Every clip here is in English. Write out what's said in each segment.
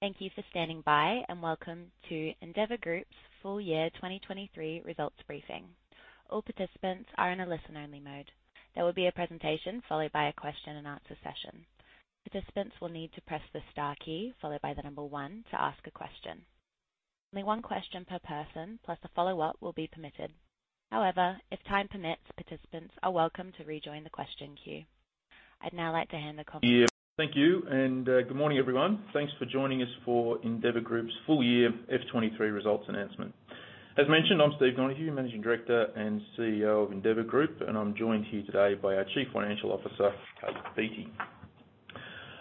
Thank you for standing by. Welcome to Endeavour Group's full year 2023 results briefing. All participants are in a listen-only mode. There will be a presentation followed by a question and answer session. Participants will need to press the star key, followed by one to ask a question. Only one question per person, plus a follow-up will be permitted. However, if time permits, participants are welcome to rejoin the question queue. I'd now like to hand the conference. Yeah. Thank you. Good morning, everyone. Thanks for joining us for Endeavour Group's full year FY 2023 results announcement. As mentioned, I'm Steve Donohue, Managing Director and CEO of Endeavour Group. I'm joined here today by our Chief Financial Officer, Kate Beattie.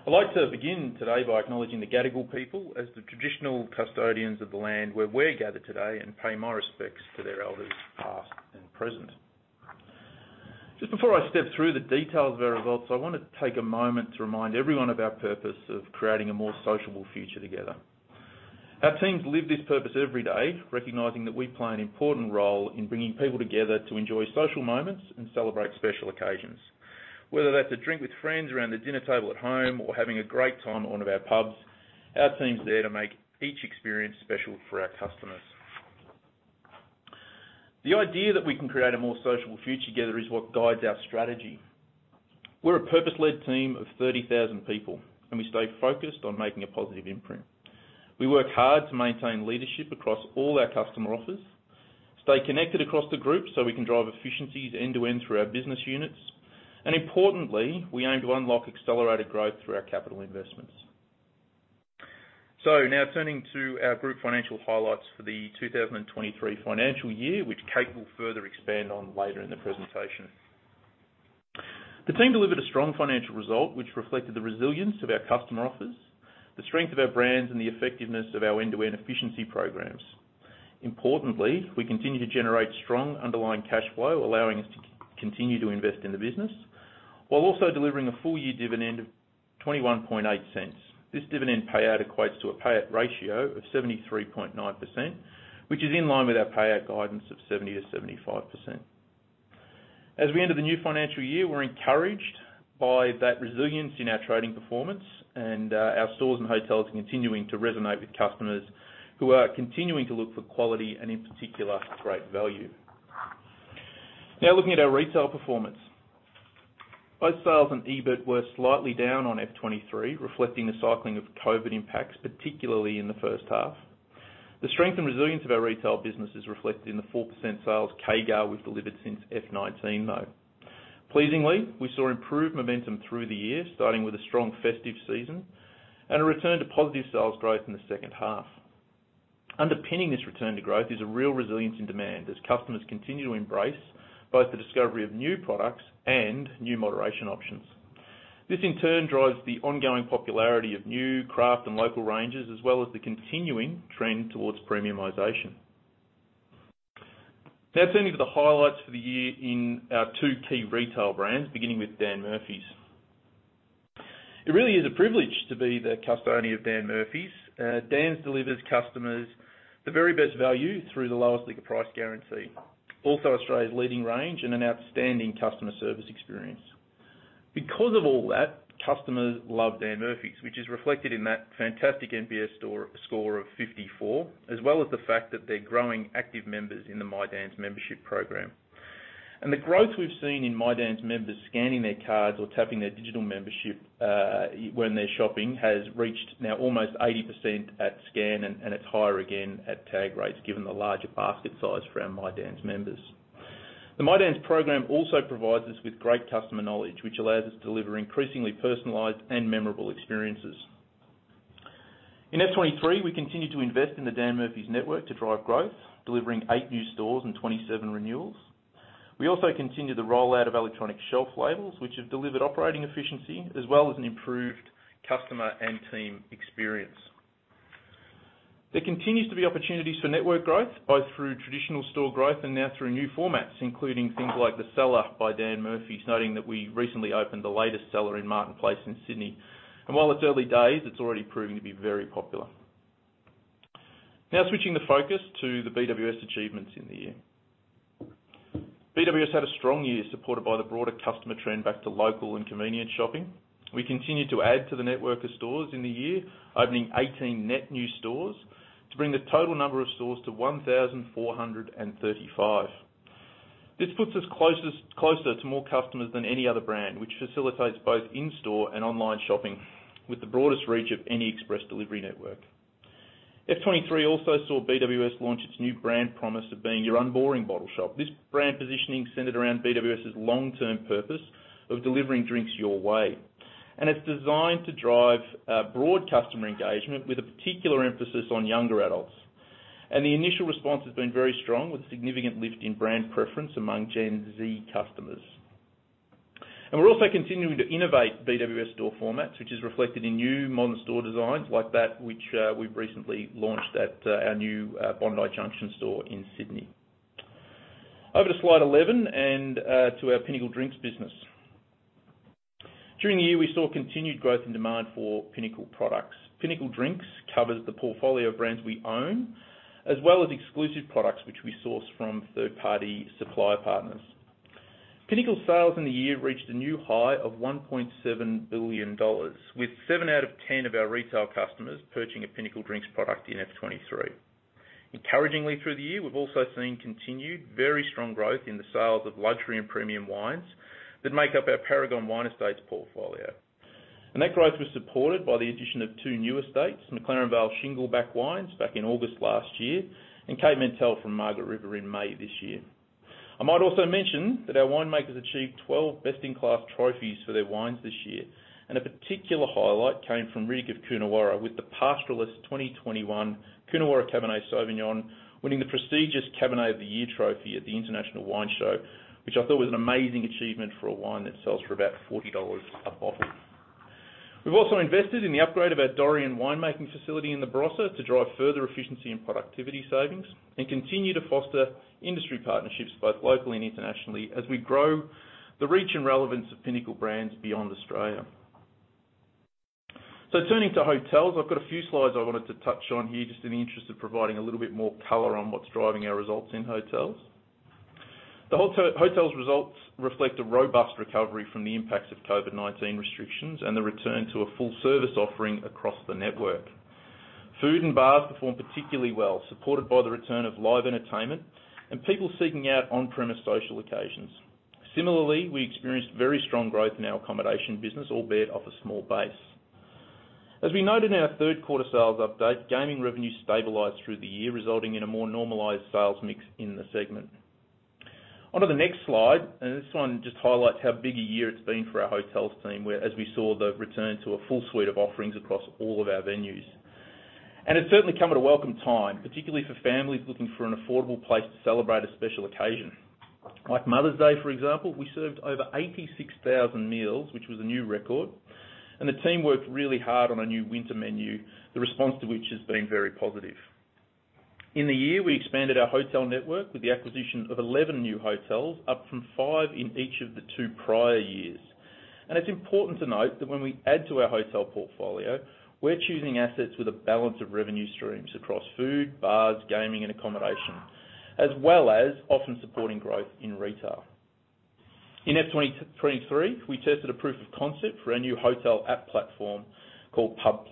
I'd like to begin today by acknowledging the Gadigal people as the traditional custodians of the land where we're gathered today and pay my respects to their elders, past and present. Just before I step through the details of our results, I want to take a moment to remind everyone of our purpose of creating a more sociable future together. Our teams live this purpose every day, recognizing that we play an important role in bringing people together to enjoy social moments and celebrate special occasions. Whether that's a drink with friends around the dinner table at home or having a great time at one of our pubs, our team's there to make each experience special for our customers. The idea that we can create a more sociable future together is what guides our strategy. We're a purpose-led team of 30,000 people, and we stay focused on making a positive imprint. We work hard to maintain leadership across all our customer offers, stay connected across the group, so we can drive efficiencies end-to-end through our business units, and importantly, we aim to unlock accelerated growth through our capital investments. Now turning to our group financial highlights for the 2023 financial year, which Kate will further expand on later in the presentation. The team delivered a strong financial result, which reflected the resilience of our customer offers, the strength of our brands, and the effectiveness of our end-to-end efficiency programs. Importantly, we continue to generate strong underlying cash flow, allowing us to continue to invest in the business, while also delivering a full-year dividend of 0.218. This dividend payout equates to a payout ratio of 73.9%, which is in line with our payout guidance of 70%-75%. As we enter the new financial year, we're encouraged by that resilience in our trading performance, and our stores and hotels are continuing to resonate with customers who are continuing to look for quality and, in particular, great value. Now, looking at our retail performance. Both sales and EBIT were slightly down on FY 2023, reflecting the cycling of COVID impacts, particularly in the first half. The strength and resilience of our retail business is reflected in the 4% sales CAGR we've delivered since FY 2019, though. Pleasingly, we saw improved momentum through the year, starting with a strong festive season and a return to positive sales growth in the second half. Underpinning this return to growth is a real resilience and demand as customers continue to embrace both the discovery of new products and new moderation options. This, in turn, drives the ongoing popularity of new craft and local ranges, as well as the continuing trend towards premiumization. Turning to the highlights for the year in our two key retail brands, beginning with Dan Murphy's. It really is a privilege to be the custodian of Dan Murphy's. Dan's delivers customers the very best value through the Lowest Liquor Price Guarantee. Australia's leading range and an outstanding customer service experience. Because of all that, customers love Dan Murphy's, which is reflected in that fantastic NPS score, score of 54, as well as the fact that they're growing active members in the My Dan's membership program. The growth we've seen in My Dan's members scanning their cards or tapping their digital membership, when they're shopping, has reached now almost 80% at scan, and it's higher again at tag rates, given the larger basket size for our My Dan's members. The My Dan's program also provides us with great customer knowledge, which allows us to deliver increasingly personalized and memorable experiences. In FY 2023, we continued to invest in the Dan Murphy's network to drive growth, delivering eight new stores and 27 renewals. We also continued the rollout of electronic shelf labels, which have delivered operating efficiency, as well as an improved customer and team experience. There continues to be opportunities for network growth, both through traditional store growth and now through new formats, including things like The Cellar by Dan Murphy's, noting that we recently opened the latest Cellar in Martin Place in Sydney. While it's early days, it's already proving to be very popular. Now, switching the focus to the BWS achievements in the year. BWS had a strong year, supported by the broader customer trend back to local and convenient shopping. We continued to add to the network of stores in the year, opening 18 net new stores to bring the total number of stores to 1,435. This puts us closest, closer to more customers than any other brand, which facilitates both in-store and online shopping with the broadest reach of any express delivery network. FY 2023 also saw BWS launch its new brand promise of being your unboring bottle shop. This brand positioning centered around BWS's long-term purpose of delivering drinks your way. It's designed to drive broad customer engagement with a particular emphasis on younger adults. The initial response has been very strong, with significant lift in brand preference among Gen Z customers. We're also continuing to innovate BWS store formats, which is reflected in new modern store designs like that, which we've recently launched at our new Bondi Junction store in Sydney. Over to slide 11 and to our Pinnacle Drinks business. During the year, we saw continued growth and demand for Pinnacle products. Pinnacle Drinks covers the portfolio of brands we own, as well as exclusive products which we source from third-party supplier partners. Pinnacle sales in the year reached a new high of 1.7 billion dollars, with seven out of 10 of our retail customers purchasing a Pinnacle Drinks product in FY 2023. Encouragingly, through the year, we've also seen continued very strong growth in the sales of luxury and premium wines that make up our Paragon Wine Estates portfolio. That growth was supported by the addition of two new estates, McLaren Vale Shingleback Wines, back in August last year, and Cape Mentelle from Margaret River in May this year. I might also mention that our winemakers achieved 12 Best in Class trophies for their wines this year, and a particular highlight came from Riddoch of Coonawarra, with The Pastoralist 2021 Coonawarra Cabernet Sauvignon winning the prestigious Cabernet of the Year trophy at the International Wine Show, which I thought was an amazing achievement for a wine that sells for about 40 dollars a bottle. We've also invested in the upgrade of our Dorrien Winemaking facility in the Barossa, to drive further efficiency and productivity savings, and continue to foster industry partnerships, both locally and internationally, as we grow the reach and relevance of Pinnacle Brands beyond Australia. Turning to hotels, I've got a few slides I wanted to touch on here, just in the interest of providing a little bit more color on what's driving our results in hotels. The hotels results reflect a robust recovery from the impacts of COVID-19 restrictions and the return to a full-service offering across the network. Food and bars performed particularly well, supported by the return of live entertainment and people seeking out on-premise social occasions. Similarly, we experienced very strong growth in our accommodation business, albeit off a small base. As we noted in our third quarter sales update, gaming revenue stabilized through the year, resulting in a more normalized sales mix in the segment. Onto the next slide, this one just highlights how big a year it's been for our hotels team, as we saw the return to a full suite of offerings across all of our venues. It's certainly come at a welcome time, particularly for families looking for an affordable place to celebrate a special occasion. Like Mother's Day, for example, we served over 86,000 meals, which was a new record. The team worked really hard on a new winter menu, the response to which has been very positive. In the year, we expanded our hotel network with the acquisition of 11 new hotels, up from five in each of the two prior years. It's important to note that when we add to our hotel portfolio, we're choosing assets with a balance of revenue streams across food, bars, gaming, and accommodation, as well as often supporting growth in retail. In FY 2023, we tested a proof of concept for our new hotel app platform called pub+,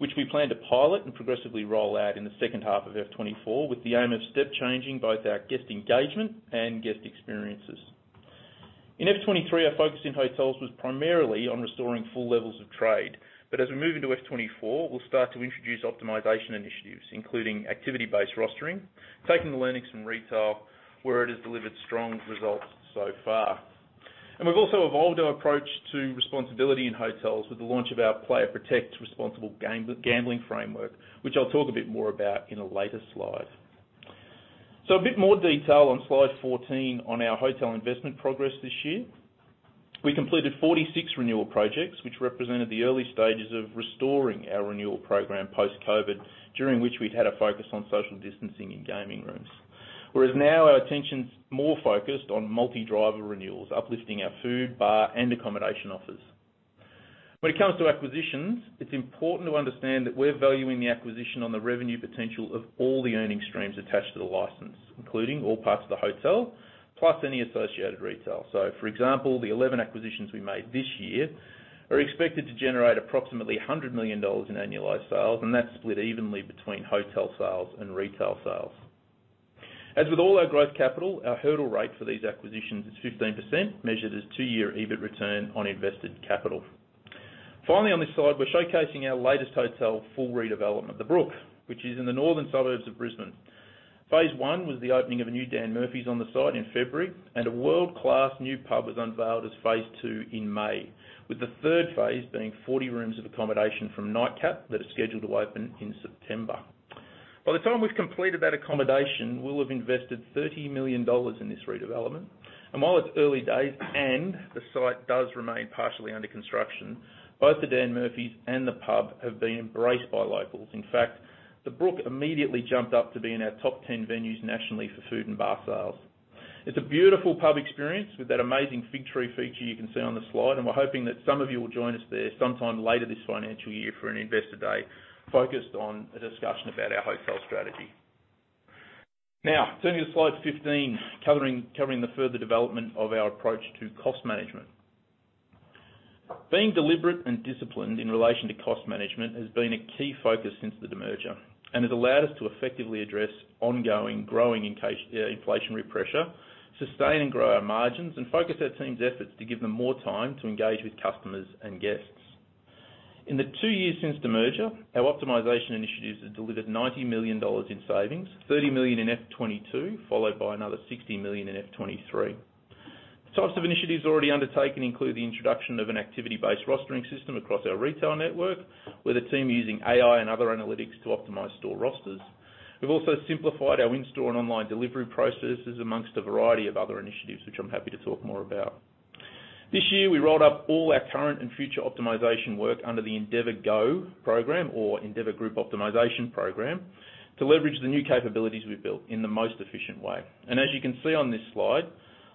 which we plan to pilot and progressively roll out in the second half of 2024, with the aim of step changing both our guest engagement and guest experiences. In FY 2023, our focus in hotels was primarily on restoring full levels of trade. As we move into FY 2024, we'll start to introduce optimization initiatives, including activity-based rostering, taking the learnings from retail, where it has delivered strong results so far. We've also evolved our approach to responsibility in hotels with the launch of our Player Protect responsible gambling framework, which I'll talk a bit more about in a later slide. A bit more detail on slide 14 on our hotel investment progress this year. We completed 46 renewal projects, which represented the early stages of restoring our renewal program post-COVID, during which we'd had a focus on social distancing in gaming rooms. Whereas now our attention's more focused on multi-driver renewals, uplifting our food, bar, and accommodation offers. When it comes to acquisitions, it's important to understand that we're valuing the acquisition on the revenue potential of all the earning streams attached to the license, including all parts of the hotel, plus any associated retail. For example, the 11 acquisitions we made this year are expected to generate approximately $100 million in annualized sales, and that's split evenly between hotel sales and retail sales. As with all our growth capital, our hurdle rate for these acquisitions is 15%, measured as two-year EBIT return on invested capital. Finally, on this slide, we're showcasing our latest hotel full redevelopment, The Brook, which is in the northern suburbs of Brisbane. Phase one was the opening of a new Dan Murphy's on the site in February, a world-class new pub was unveiled as phase two in May, with the third phase being 40 rooms of accommodation from Nightcap that is scheduled to open in September. By the time we've completed that accommodation, we'll have invested 30 million dollars in this redevelopment. While it's early days and the site does remain partially under construction, both the Dan Murphy's and the pub have been embraced by locals. In fact, The Brook immediately jumped up to be in our top 10 venues nationally for food and bar sales. It's a beautiful pub experience with that amazing fig tree feature you can see on the slide. We're hoping that some of you will join us there sometime later this financial year for an investor day, focused on a discussion about our hotel strategy. Now, turning to slide 15, covering the further development of our approach to cost management. Being deliberate and disciplined in relation to cost management has been a key focus since the demerger and has allowed us to effectively address ongoing, growing inflationary pressure, sustain and grow our margins, and focus our team's efforts to give them more time to engage with customers and guests. In the two years since demerger, our optimization initiatives have delivered 90 million dollars in savings, 30 million in FY 2022, followed by another 60 million in FY 2023. The types of initiatives already undertaken include the introduction of an activity-based rostering system across our retail network, with the team using AI and other analytics to optimize store rosters. We've also simplified our in-store and online delivery processes amongst a variety of other initiatives, which I'm happy to talk more about. This year, we rolled up all our current and future optimization work under the endeavourGO program or Endeavour Group Optimisation Program, to leverage the new capabilities we've built in the most efficient way. As you can see on this slide,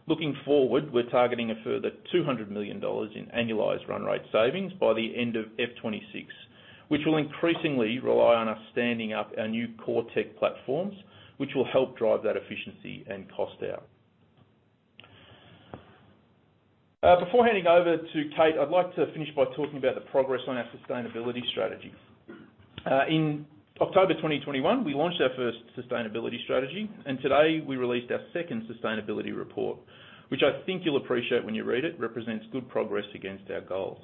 looking forward, we're targeting a further 200 million dollars in annualized run rate savings by the end of FY 2026, which will increasingly rely on us standing up our new core tech platforms, which will help drive that efficiency and cost out. Before handing over to Kate, I'd like to finish by talking about the progress on our sustainability strategy. In October 2021, we launched our first sustainability strategy, and today we released our second sustainability report, which I think you'll appreciate when you read it, represents good progress against our goals.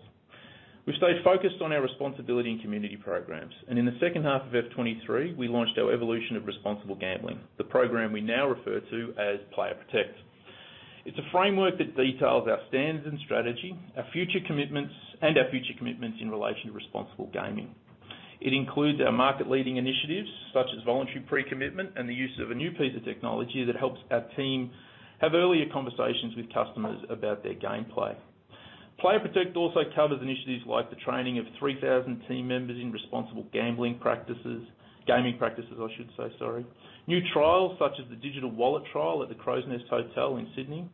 We've stayed focused on our responsibility and community programs, and in the second half of FY 2023, we launched our evolution of responsible gambling, the program we now refer to as Player Protect. It's a framework that details our standards and strategy, our future commitments, and our future commitments in relation to responsible gaming. It includes our market-leading initiatives, such as voluntary pre-commitment and the use of a new piece of technology that helps our team have earlier conversations with customers about their gameplay. Player Protect also covers initiatives like the training of 3,000 team members in responsible gambling practices, gaming practices, I should say, sorry. New trials such as the digital wallet trial at the Crows Nest Hotel in Sydney.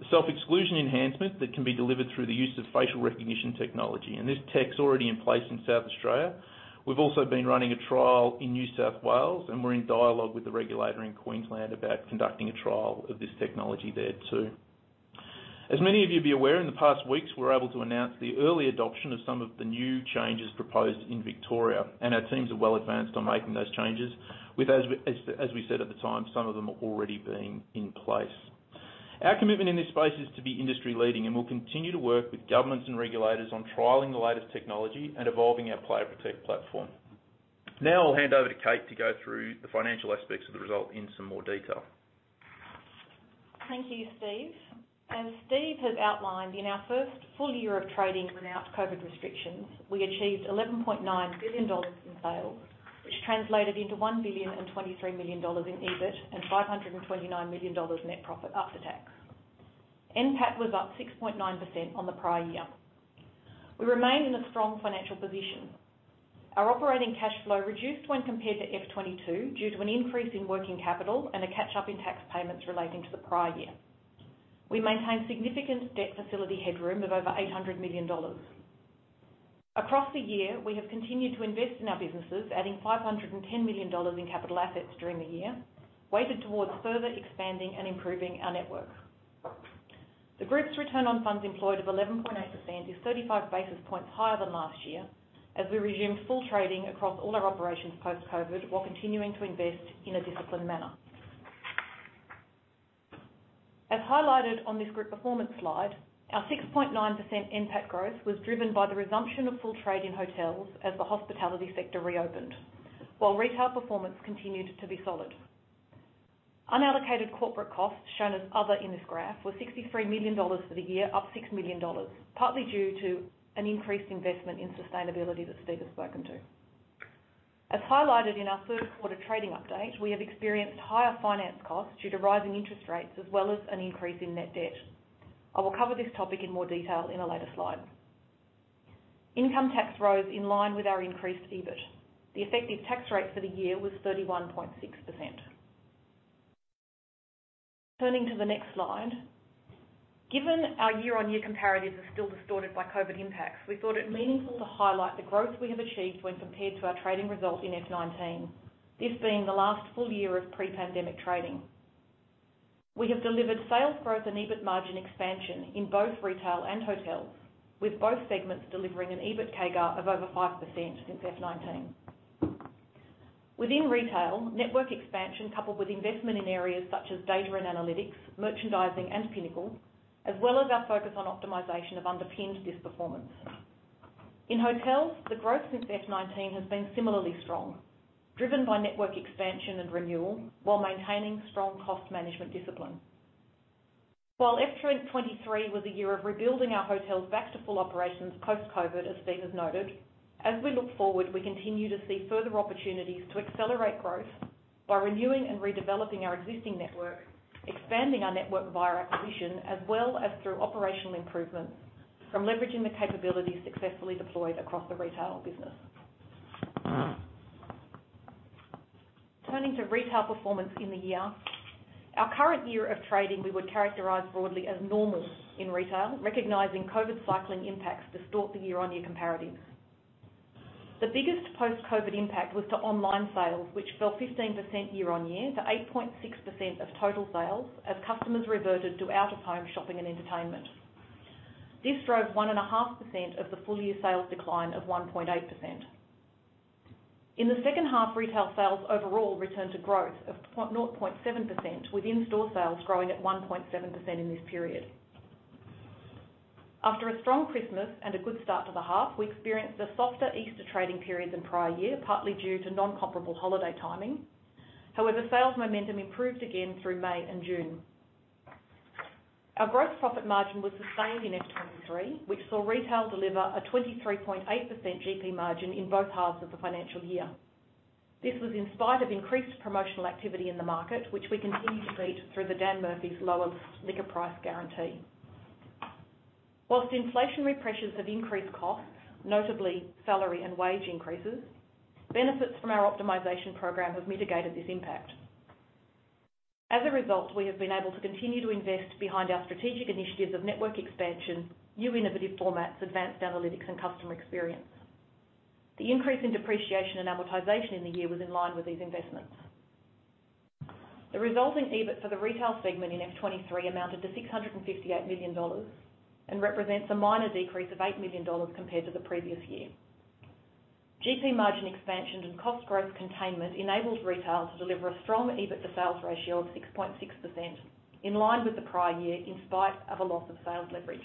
The self-exclusion enhancement that can be delivered through the use of facial recognition technology. This tech's already in place in South Australia. We've also been running a trial in New South Wales. We're in dialogue with the regulator in Queensland about conducting a trial of this technology there, too. As many of you be aware, in the past weeks, we were able to announce the early adoption of some of the new changes proposed in Victoria. Our teams are well advanced on making those changes. With, as we said at the time, some of them already being in place. Our commitment in this space is to be industry-leading, and we'll continue to work with governments and regulators on trialing the latest technology and evolving our Player Protect platform. Now I'll hand over to Kate to go through the financial aspects of the result in some more detail. Thank you, Steve. As Steve has outlined, in our first full year of trading without COVID restrictions, we achieved 11.9 billion dollars in sales, which translated into 1.023 billion in EBIT and 529 million dollars net profit after tax. NPAT was up 6.9% on the prior year. We remain in a strong financial position. Our operating cash flow reduced when compared to FY 2022 due to an increase in working capital and a catch-up in tax payments relating to the prior year. We maintain significant debt facility headroom of over 800 million dollars. Across the year, we have continued to invest in our businesses, adding 510 million dollars in capital assets during the year, weighted towards further expanding and improving our network. The group's return on funds employed of 11.8% is 35 basis points higher than last year, as we resumed full trading across all our operations post-COVID, while continuing to invest in a disciplined manner. As highlighted on this group performance slide, our 6.9% NPAT growth was driven by the resumption of full trade in hotels as the hospitality sector reopened, while retail performance continued to be solid. Unallocated corporate costs, shown as Other in this graph, were $63 million for the year, up $6 million, partly due to an increased investment in sustainability that Steve has spoken to. As highlighted in our third quarter trading update, we have experienced higher finance costs due to rising interest rates, as well as an increase in net debt. I will cover this topic in more detail in a later slide. Income tax rose in line with our increased EBIT. The effective tax rate for the year was 31.6%. Turning to the next slide, given our year-on-year comparatives are still distorted by COVID impacts, we thought it meaningful to highlight the growth we have achieved when compared to our trading results in FY 2019. This being the last full year of pre-pandemic trading. We have delivered sales growth and EBIT margin expansion in both retail and hotels, with both segments delivering an EBIT CAGR of over 5% since FY 2019. Within retail, network expansion, coupled with investment in areas such as data and analytics, merchandising, and Pinnacle, as well as our focus on optimization, have underpinned this performance. In hotels, the growth since FY 2019 has been similarly strong, driven by network expansion and renewal while maintaining strong cost management discipline. While FY 2023 was a year of rebuilding our hotels back to full operations post-COVID, as Steve has noted, as we look forward, we continue to see further opportunities to accelerate growth by renewing and redeveloping our existing network, expanding our network via acquisition, as well as through operational improvements from leveraging the capabilities successfully deployed across the retail business. Turning to retail performance in the year. Our current year of trading, we would characterize broadly as normal in retail, recognizing COVID cycling impacts distort the year-on-year comparatives. The biggest post-COVID impact was to online sales, which fell 15% year-on-year to 8.6% of total sales, as customers reverted to out-of-home shopping and entertainment. This drove 1.5% of the full-year sales decline of 1.8%. In the second half, retail sales overall returned to growth of 0.7%, with in-store sales growing at 1.7% in this period. After a strong Christmas and a good start to the half, we experienced a softer Easter trading period than prior year, partly due to non-comparable holiday timing. However, sales momentum improved again through May and June. Our gross profit margin was sustained in FY 2023, which saw retail deliver a 23.8% GP margin in both halves of the financial year. This was in spite of increased promotional activity in the market, which we continue to meet through the Dan Murphy's Lowest Liquor Price Guarantee. Whilst inflationary pressures have increased costs, notably salary and wage increases, benefits from our Optimization Program have mitigated this impact. As a result, we have been able to continue to invest behind our strategic initiatives of network expansion, new innovative formats, advanced analytics, and customer experience. The increase in depreciation and amortization in the year was in line with these investments. The resulting EBIT for the retail segment in FY 2023 amounted to 658 million dollars, and represents a minor decrease of 8 million dollars compared to the previous year. GP margin expansion and cost growth containment enabled retail to deliver a strong EBIT to sales ratio of 6.6%, in line with the prior year, in spite of a loss of sales leverage.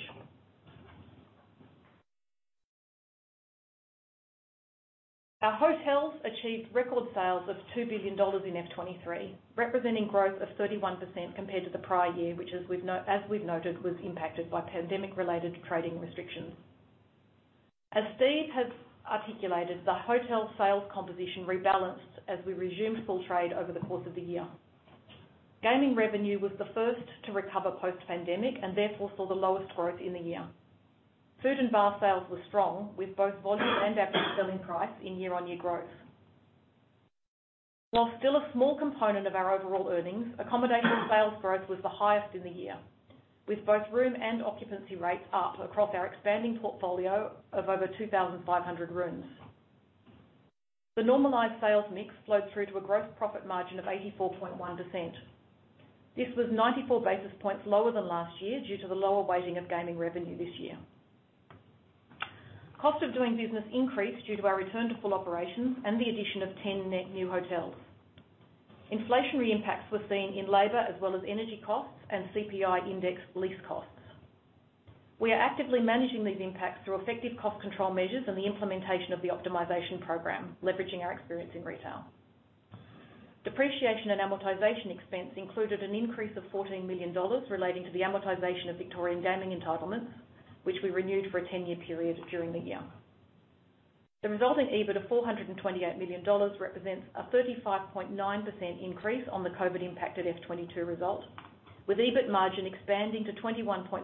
Our hotels achieved record sales of 2 billion dollars in FY 2023, representing growth of 31% compared to the prior year, which as we've noted, was impacted by pandemic-related trading restrictions. As Steve has articulated, the hotel sales composition rebalanced as we resumed full trade over the course of the year. Gaming revenue was the first to recover post-pandemic and therefore saw the lowest growth in the year. Food and bar sales were strong, with both volume and average selling price in year-on-year growth. While still a small component of our overall earnings, accommodation sales growth was the highest in the year, with both room and occupancy rates up across our expanding portfolio of over 2,500 rooms. The normalized sales mix flowed through to a gross profit margin of 84.1%. This was 94 basis points lower than last year due to the lower weighting of gaming revenue this year. Cost of doing business increased due to our return to full operations and the addition of 10 net new hotels. Inflationary impacts were seen in labor as well as energy costs and CPI index lease costs. We are actively managing these impacts through effective cost control measures and the implementation of the optimization program, leveraging our experience in retail. Depreciation and amortization expense included an increase of 14 million dollars relating to the amortization of Victorian gaming entitlements, which we renewed for a 10-year period during the year. The resulting EBIT of 428 million dollars represents a 35.9% increase on the COVID-impacted FY 2022 result, with EBIT margin expanding to 21.6%,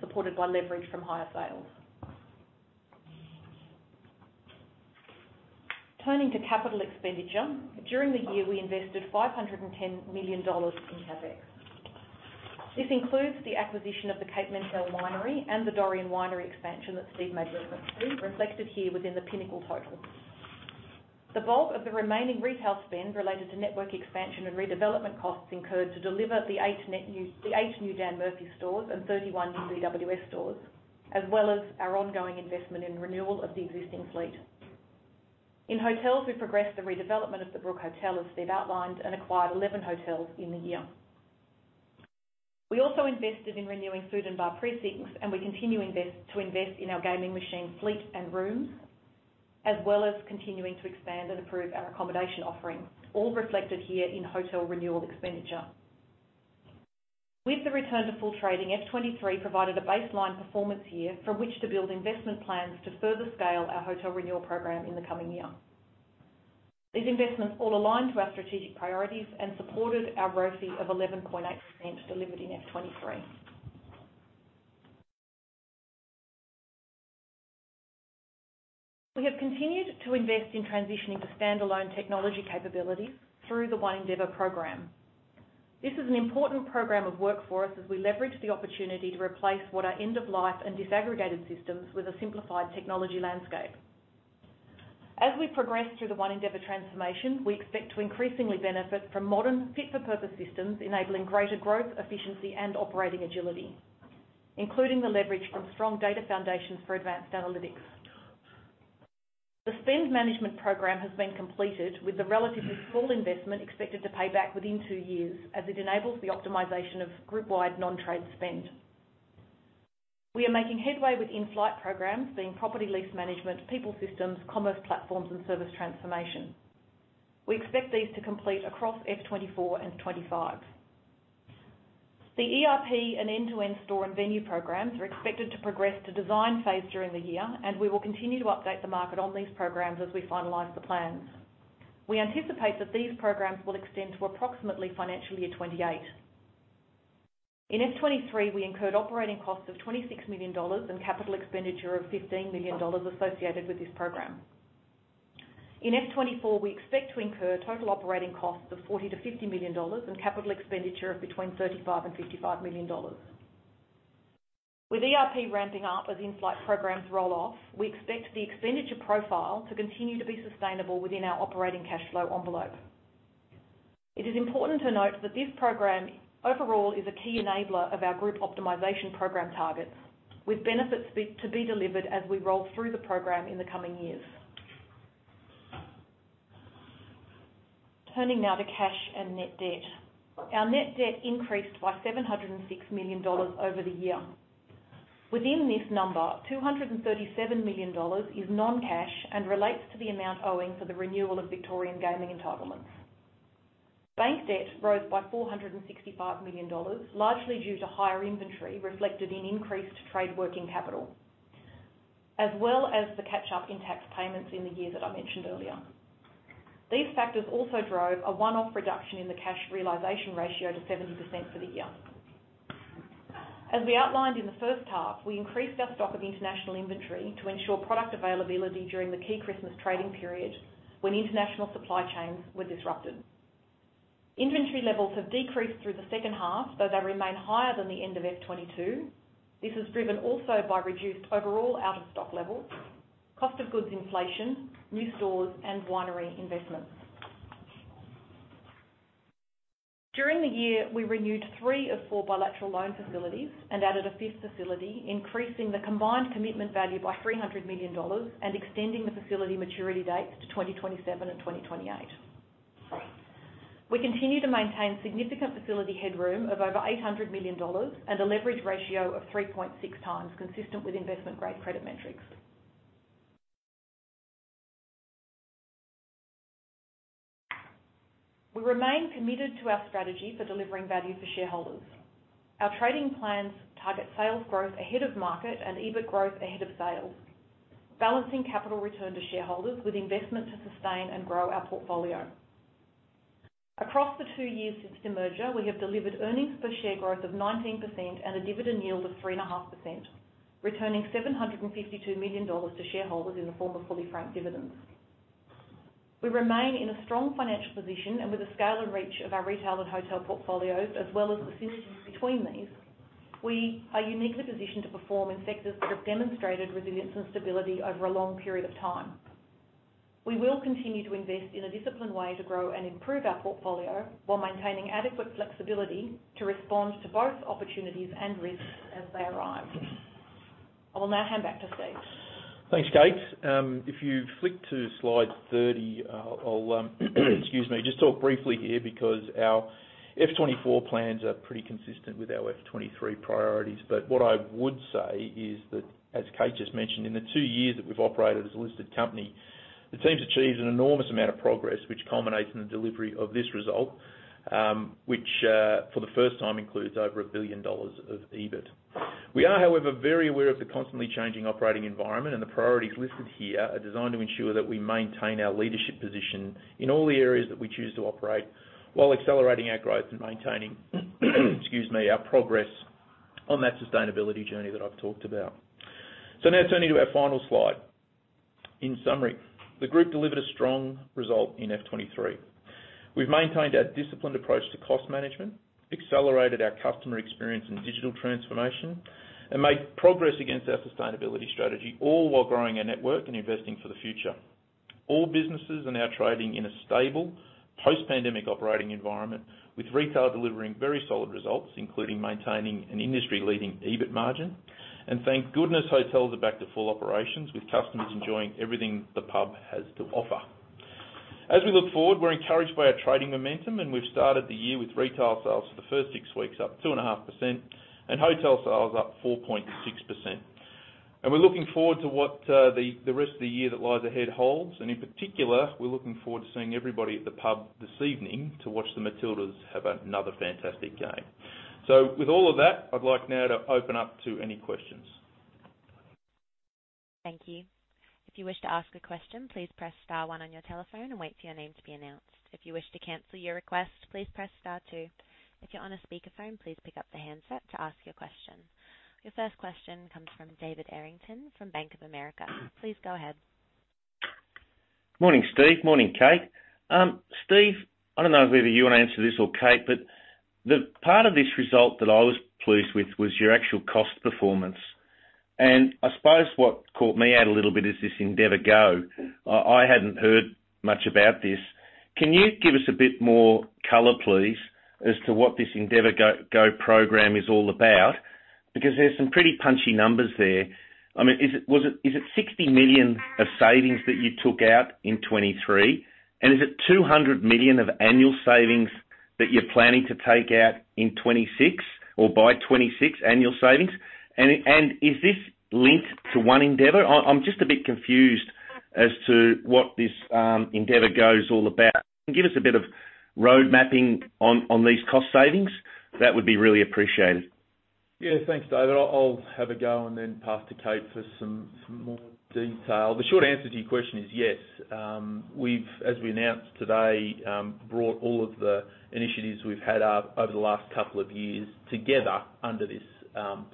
supported by leverage from higher sales. Turning to capital expenditure. During the year, we invested 510 million dollars in CapEx. This includes the acquisition of the Cape Mentelle Vineyards and the Dorrien Estate expansion that Steve made reference to, reflected here within the Pinnacle total. The bulk of the remaining retail spend related to network expansion and redevelopment costs incurred to deliver the eight new Dan Murphy's stores and 31 BWS stores, as well as our ongoing investment in renewal of the existing fleet. In hotels, we progressed the redevelopment of the Brook Hotel, as Steve outlined, and acquired 11 hotels in the year. We also invested in renewing food and bar precincts, and we continue to invest in our gaming machine fleet and rooms, as well as continuing to expand and improve our accommodation offerings, all reflected here in hotel renewal expenditure. With the return to full trading, FY 2023 provided a baseline performance year from which to build investment plans to further scale our hotel renewal program in the coming year. These investments all align to our strategic priorities and supported our ROCE of 11.8% delivered in FY 2023. We have continued to invest in transitioning to standalone technology capabilities through the One Endeavour program. This is an important program of work for us as we leverage the opportunity to replace what are end-of-life and disaggregated systems with a simplified technology landscape. As we progress through the One Endeavour transformation, we expect to increasingly benefit from modern, fit-for-purpose systems, enabling greater growth, efficiency, and operating agility, including the leverage from strong data foundations for advanced analytics. The spend management program has been completed, with the relatively small investment expected to pay back within two years, as it enables the optimization of group-wide non-trade spend. We are making headway with in-flight programs, being property lease management, people systems, commerce platforms, and service transformation. We expect these to complete across FY 2024 and 2025. The ERP and end-to-end store and venue programs are expected to progress to design phase during the year, and we will continue to update the market on these programs as we finalize the plans. We anticipate that these programs will extend to approximately financial year 2028. In FY 2023, we incurred operating costs of 26 million dollars and capital expenditure of 15 million dollars associated with this program. In FY 2024, we expect to incur total operating costs of 40 million 50 million and capital expenditure of between 35 million and 55 million. With ERP ramping up as in-flight programs roll off, we expect the expenditure profile to continue to be sustainable within our operating cash flow envelope. It is important to note that this program, overall, is a key enabler of our Group Optimisation Program targets, with benefits to be delivered as we roll through the program in the coming years. Turning now to cash and net debt. Our net debt increased by 706 million dollars over the year. Within this number, 237 million dollars is non-cash and relates to the amount owing for the renewal of Victorian gaming entitlements. Bank debt rose by 465 million dollars, largely due to higher inventory reflected in increased trade working capital, as well as the catch-up in tax payments in the year that I mentioned earlier. These factors also drove a one-off reduction in the cash realization ratio to 70% for the year. As we outlined in the first half, we increased our stock of international inventory to ensure product availability during the key Christmas trading period when international supply chains were disrupted. Inventory levels have decreased through the second half, though they remain higher than the end of FY 2022. This is driven also by reduced overall out-of-stock levels, cost of goods inflation, new stores, and winery investments. During the year, we renewed three of four bilateral loan facilities and added a fifth facility, increasing the combined commitment value by 300 million dollars and extending the facility maturity dates to 2027 and 2028. We continue to maintain significant facility headroom of over 800 million dollars and a leverage ratio of 3.6x, consistent with investment-grade credit metrics. We remain committed to our strategy for delivering value for shareholders. Our trading plans target sales growth ahead of market and EBIT growth ahead of sales, balancing capital return to shareholders with investment to sustain and grow our portfolio. Across the two years since demerger, we have delivered earnings per share growth of 19% and a dividend yield of 3.5%, returning 752 million dollars to shareholders in the form of fully franked dividends. We remain in a strong financial position, and with the scale and reach of our retail and hotel portfolios, as well as the synergies between these, we are uniquely positioned to perform in sectors that have demonstrated resilience and stability over a long period of time. We will continue to invest in a disciplined way to grow and improve our portfolio, while maintaining adequate flexibility to respond to both opportunities and risks as they arrive. I will now hand back to Steve. Thanks, Kate. If you flick to slide 30, I'll, excuse me, just talk briefly here, because our FY 2024 plans are pretty consistent with our FY 2023 priorities. What I would say is that, as Kate just mentioned, in the two years that we've operated as a listed company, the team's achieved an enormous amount of progress, which culminates in the delivery of this result, which, for the first time, includes over 1 billion dollars of EBIT. We are, however, very aware of the constantly changing operating environment, and the priorities listed here are designed to ensure that we maintain our leadership position in all the areas that we choose to operate, while accelerating our growth and maintaining, excuse me, our progress on that sustainability journey that I've talked about. Now turning to our final slide. In summary, the group delivered a strong result in FY 2023. We've maintained our disciplined approach to cost management, accelerated our customer experience and digital transformation, and made progress against our sustainability strategy, all while growing our network and investing for the future. All businesses are now trading in a stable, post-pandemic operating environment, with retail delivering very solid results, including maintaining an industry-leading EBIT margin. Thank goodness, hotels are back to full operations, with customers enjoying everything the pub has to offer. As we look forward, we're encouraged by our trading momentum, and we've started the year with retail sales for the first six weeks, up 2.5%, and hotel sales up 4.6%. We're looking forward to what, the, the rest of the year that lies ahead holds, and in particular, we're looking forward to seeing everybody at the pub this evening to watch the Matildas have another fantastic game. With all of that, I'd like now to open up to any questions. Thank you. If you wish to ask a question, please press star one on your telephone and wait for your name to be announced. If you wish to cancel your request, please press star two. If you're on a speakerphone, please pick up the handset to ask your question. Your first question comes from David Errington from Bank of America. Please go ahead. Morning, Steve. Morning, Kate. Steve, I don't know whether you want to answer this or Kate, but the part of this result that I was pleased with was your actual cost performance. I suppose what caught me out a little bit is this endeavourGO. I, I hadn't heard much about this. Can you give us a bit more color, please, as to what this endeavourGO program is all about? Because there's some pretty punchy numbers there. Is it 60 million of savings that you took out in 2023? Is it 200 million of annual savings that you're planning to take out in 2026 or by 2026, annual savings? Is this linked to One Endeavour? I, I'm just a bit confused as to what this endeavourGO is all about. Can you give us a bit of road mapping on, on these cost savings? That would be really appreciated. Yeah. Thanks, David. I'll, I'll have a go and then pass to Kate for some, some more detail. The short answer to your question is yes. We've, as we announced today, brought all of the initiatives we've had over the last couple of years together under this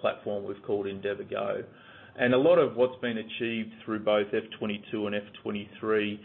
platform we've called endeavourGO. A lot of what's been achieved through both FY 2022 and FY 2023 are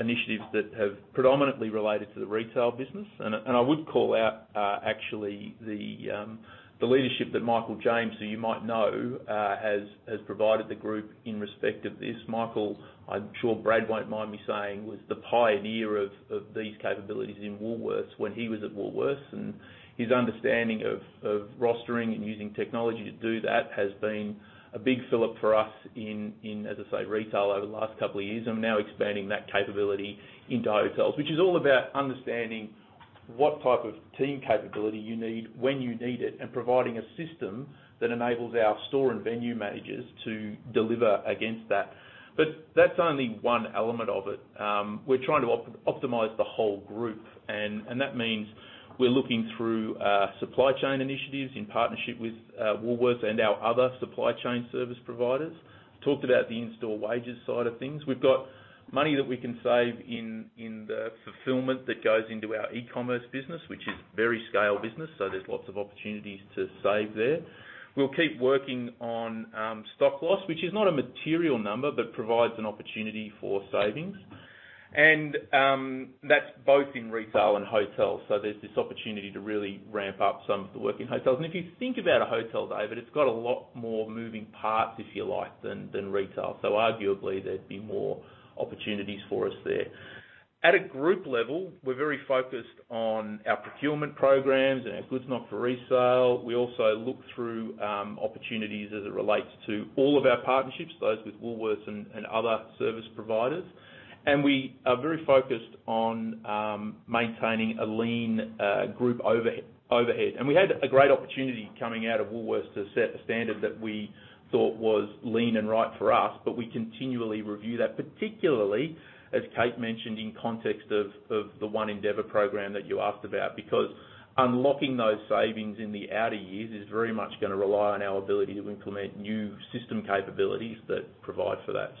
initiatives that have predominantly related to the retail business. I would call out actually, the leadership that Michael James, who you might know, has, has provided the group in respect of this. Michael, I'm sure Brad won't mind me saying, was the pioneer of, of these capabilities in Woolworths when he was at Woolworths, and his understanding of, of rostering and using technology to do that has been a big fill-up for us in, in, as I say, retail over the last couple of years, and we're now expanding that capability into hotels. Which is all about understanding what type of team capability you need, when you need it, and providing a system that enables our store and venue managers to deliver against that. That's only one element of it. We're trying to optimize the whole group, and that means we're looking through supply chain initiatives in partnership with Woolworths and our other supply chain service providers. Talked about the in-store wages side of things. We've got money that we can save in, in the fulfillment that goes into our e-commerce business, which is very scale business, so there's lots of opportunities to save there. We'll keep working on stock loss, which is not a material number, but provides an opportunity for savings. That's both in retail and hotels. There's this opportunity to really ramp up some of the work in hotels. If you think about a hotel, David, it's got a lot more moving parts, if you like, than, than retail. Arguably, there'd be more opportunities for us there. At a group level, we're very focused on our procurement programs and our goods not for resale. We also look through opportunities as it relates to all of our partnerships, those with Woolworths and other service providers. We are very focused on maintaining a lean group overhead. We had a great opportunity coming out of Woolworths to set a standard that we thought was lean and right for us, but we continually review that, particularly, as Kate mentioned, in context of the One Endeavour program that you asked about, because unlocking those savings in the outer years is very much gonna rely on our ability to implement new system capabilities that provide for that.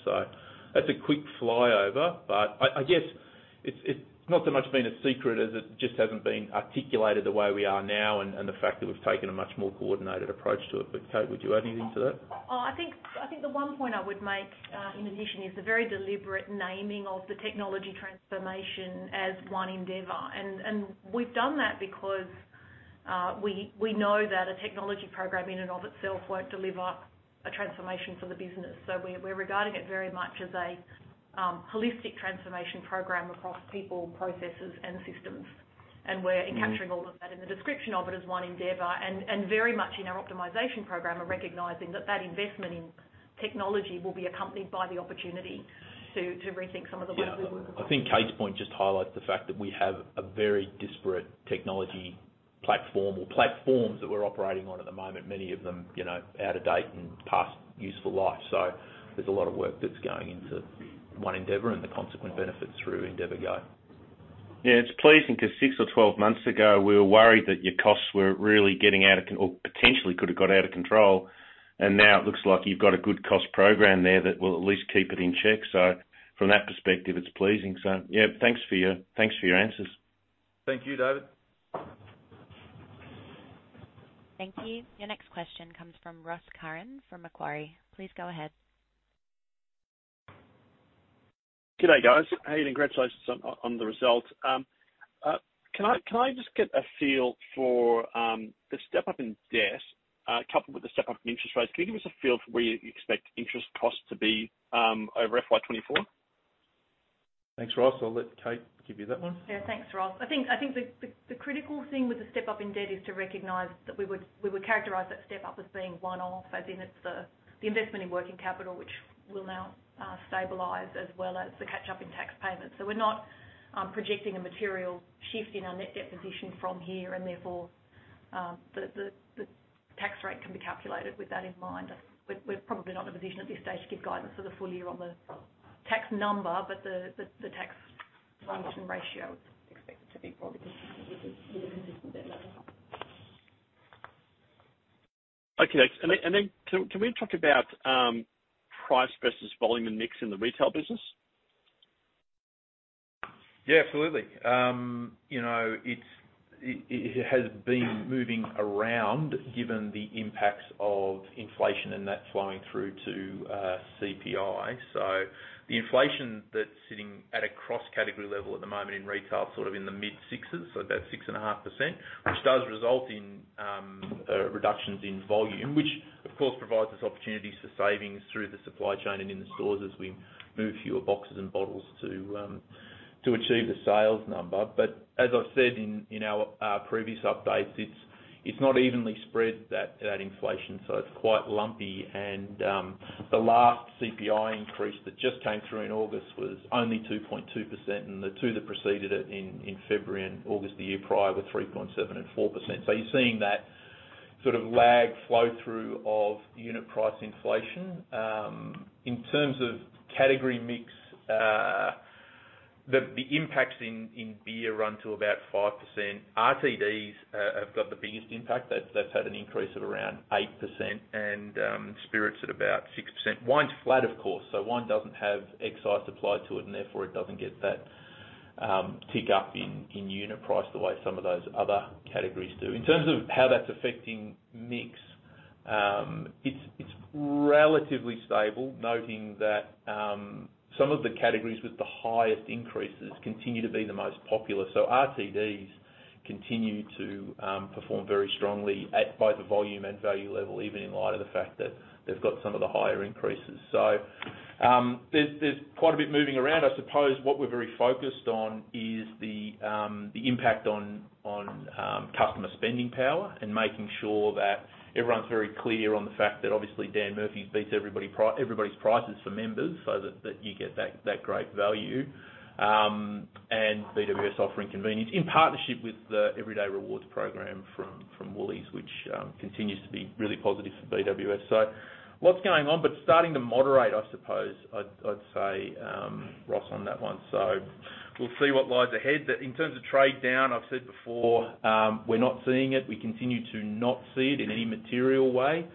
That's a quick flyover, but I, I guess it's, it's not so much been a secret as it just hasn't been articulated the way we are now and the fact that we've taken a much more coordinated approach to it. Kate, would you add anything to that? I think, I think the one point I would make, in addition, is the very deliberate naming of the technology transformation as One Endeavour. We've done that because we know that a technology program in and of itself won't deliver a transformation for the business. We're regarding it very much as a holistic transformation program across people, processes, and systems. We're encapturing all of that in the description of it as One Endeavour, and very much in our optimization program, are recognizing that that investment in technology will be accompanied by the opportunity to rethink some of the ways we work. Yeah. I think Kate's point just highlights the fact that we have a very disparate technology platform or platforms that we're operating on at the moment, many of them, you know, out of date and past useful life. There's a lot of work that's going into One Endeavour and the consequent benefits through endeavourGO. Yeah, it's pleasing because six or 12 months ago, we were worried that your costs were really getting out of, or potentially could have got out of control, and now it looks like you've got a good cost program there that will at least keep it in check. From that perspective, it's pleasing. Yeah, thanks for your, thanks for your answers. Thank you, David. Thank you. Your next question comes from Ross Curran from Macquarie. Please go ahead. Good day, guys. Hey, congratulations on, on the results. Can I, can I just get a feel for the step up in debt, coupled with the step up in interest rates? Can you give us a feel for where you expect interest costs to be over FY 2024? Thanks, Ross. I'll let Kate give you that one. Yeah, thanks, Ross. I think, I think the, the, the critical thing with the step up in debt is to recognize that we would, we would characterize that step up as being one-off. It's the, the investment in working capital, which will now stabilize, as well as the catch-up in tax payments. We're not projecting a material shift in our net debt position from here, the, the, the tax rate can be calculated with that in mind. We're, we're probably not in a position at this stage to give guidance for the full year on the tax number, but the, the, the tax function ratio is expected to be probably consistent with the consistent debt level. Okay. Then can we talk about price versus volume and mix in the retail business? Yeah, absolutely. You know, it's, it has been moving around given the impacts of inflation and that flowing through to CPI. The inflation that's sitting at a cross-category level at the moment in retail, sort of in the mid-6s, so about 6.5%, which does result in reductions in volume, which of course, provides us opportunities for savings through the supply chain and in the stores as we move fewer boxes and bottles to achieve the sales number. As I've said in, in our previous updates, it's not evenly spread, that inflation, so it's quite lumpy. The last CPI increase that just came through in August was only 2.2%, and the two that preceded it in February and August the year prior were 3.7% and 4%. You're seeing that sort of lag flow through of unit price inflation. In terms of category mix, the impacts in beer run to about 5%. RTDs have got the biggest impact. That's had an increase of around 8% and spirits at about 6%. Wine's flat, of course, so wine doesn't have excise applied to it, and therefore, it doesn't get that tick up in unit price the way some of those other categories do. In terms of how that's affecting mix, it's, it's relatively stable, noting that, some of the categories with the highest increases continue to be the most popular. RTDs continue to perform very strongly at both the volume and value level, even in light of the fact that they've got some of the higher increases. There's, there's quite a bit moving around. I suppose what we're very focused on is the, the impact on, on, customer spending power and making sure that everyone's very clear on the fact that obviously Dan Murphy's beats everybody's prices for members, so that, that you get that, that great value. And BWS offering convenience in partnership with the Everyday Rewards program from, from Woolworths, which continues to be really positive for BWS. What's going on? Starting to moderate, I suppose, I'd, I'd say, Ross, on that one. We'll see what lies ahead. In terms of trade down, I've said before, we're not seeing it. We continue to not see it in any material way.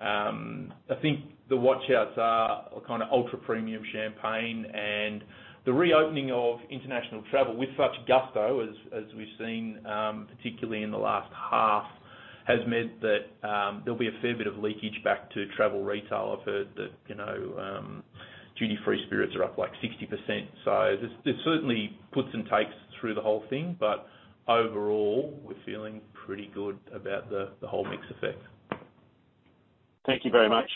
I think the watch outs are kind of ultra-premium champagne and the reopening of international travel with such gusto as, as we've seen, particularly in the last half has meant that there'll be a fair bit of leakage back to travel retail. I've heard that, you know, duty-free spirits are up, like, 60%. There, there's certainly puts and takes through the whole thing, but overall, we're feeling pretty good about the, the whole mix effect. Thank you very much.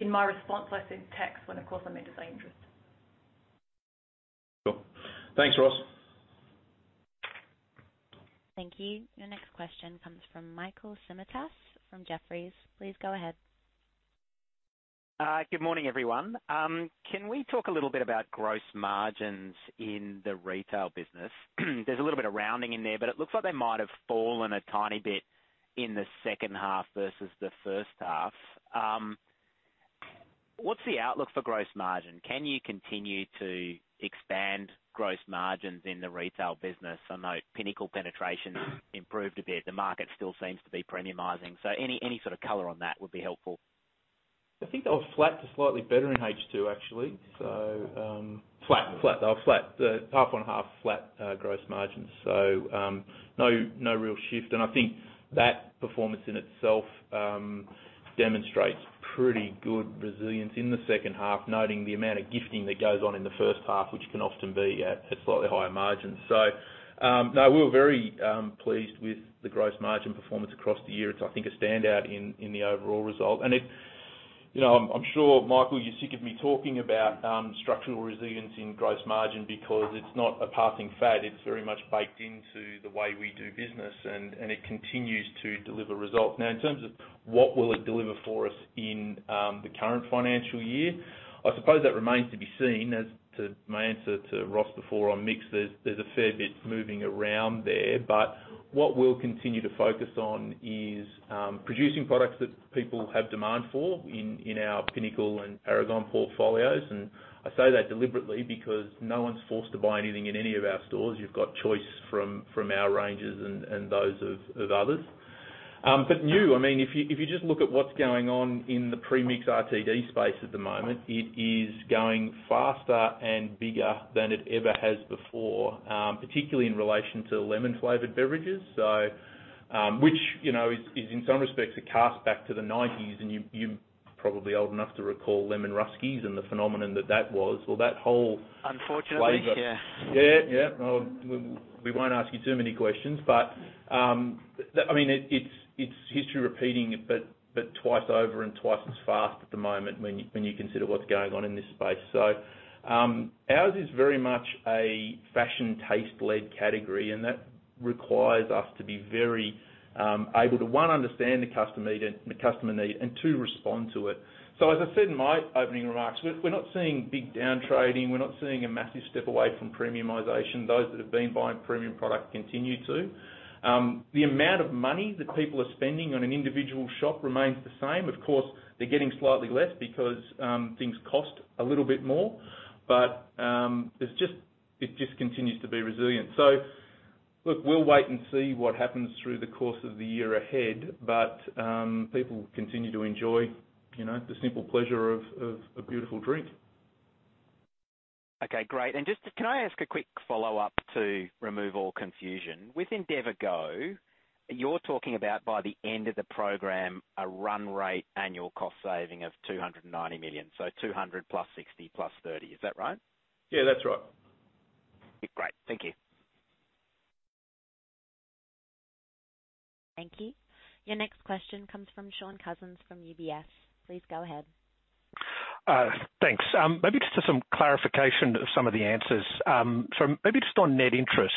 In my response, I said tax, when, of course, I meant to say interest. Cool. Thanks, Ross. Thank you. Your next question comes from Michael Simotas from Jefferies. Please go ahead. Good morning, everyone. Can we talk a little bit about gross margins in the retail business? There's a little bit of rounding in there, but it looks like they might have fallen a tiny bit in the second half versus the first half. What's the outlook for gross margin? Can you continue to expand gross margins in the retail business? I know Pinnacle penetration improved a bit. The market still seems to be premiumizing. Any, any sort of color on that would be helpful. I think they were flat to slightly better in H2, actually. Flat, flat. They were flat. The half on half flat gross margins, no, no real shift. I think that performance in itself demonstrates pretty good resilience in the second half, noting the amount of gifting that goes on in the first half, which can often be at, at slightly higher margins. No, we're very pleased with the gross margin performance across the year. It's, I think, a standout in, in the overall result. It... You know, I'm, I'm sure, Michael, you're sick of me talking about structural resilience in gross margin because it's not a passing fad. It's very much baked into the way we do business, and, and it continues to deliver results. In terms of what will it deliver for us in the current financial year, I suppose that remains to be seen as to my answer to Ross before on mix. There's, there's a fair bit moving around there. What we'll continue to focus on is producing products that people have demand for in our Pinnacle and Paragon portfolios. I say that deliberately because no one's forced to buy anything in any of our stores. You've got choice from, from our ranges and, and those of, of others. New, I mean, if you, if you just look at what's going on in the pre-mix RTD space at the moment, it is going faster and bigger than it ever has before, particularly in relation to lemon-flavored beverages. Which, you know, is, is in some respects, a cast back to the 1990s, and you, you're probably old enough to recall Lemon Ruski and the phenomenon that that was. Well, that whole- Unfortunately, yeah. Yeah. Yeah. We won't ask you too many questions, but, I mean, it, it's, it's history repeating, but, but twice over and twice as fast at the moment when you, when you consider what's going on in this space. Ours is very much a fashion, taste-led category, and that requires us to be very able to, one, understand the customer need and, the customer need, and two, respond to it. As I said in my opening remarks, we're, we're not seeing big down trading. We're not seeing a massive step away from premiumization. Those that have been buying premium product continue to. The amount of money that people are spending on an individual shop remains the same. Of course, they're getting slightly less because things cost a little bit more, but, it's just, it just continues to be resilient. look, we'll wait and see what happens through the course of the year ahead, but, people continue to enjoy, you know, the simple pleasure of, of a beautiful drink. Okay, great. Just, can I ask a quick follow-up to remove all confusion? With endeavourGO, you're talking about by the end of the program, a run rate annual cost saving of 290 million, so AUD 200+60+30. Is that right? Yeah, that's right. Great. Thank you. Thank you. Your next question comes from Shaun Cousins from UBS. Please go ahead. Thanks. Maybe just to some clarification of some of the answers. Maybe just on net interest,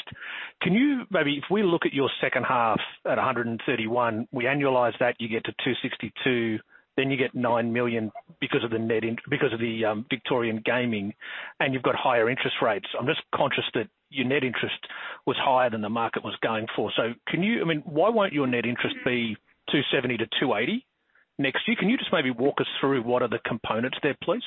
maybe if we look at your second half at 131, we annualize that, you get to 262, then you get 9 million because of the Victorian gaming, and you've got higher interest rates. I'm just conscious that your net interest was higher than the market was going for. I mean, why won't your net interest be 270-280 next year? Can you just maybe walk us through what are the components there, please?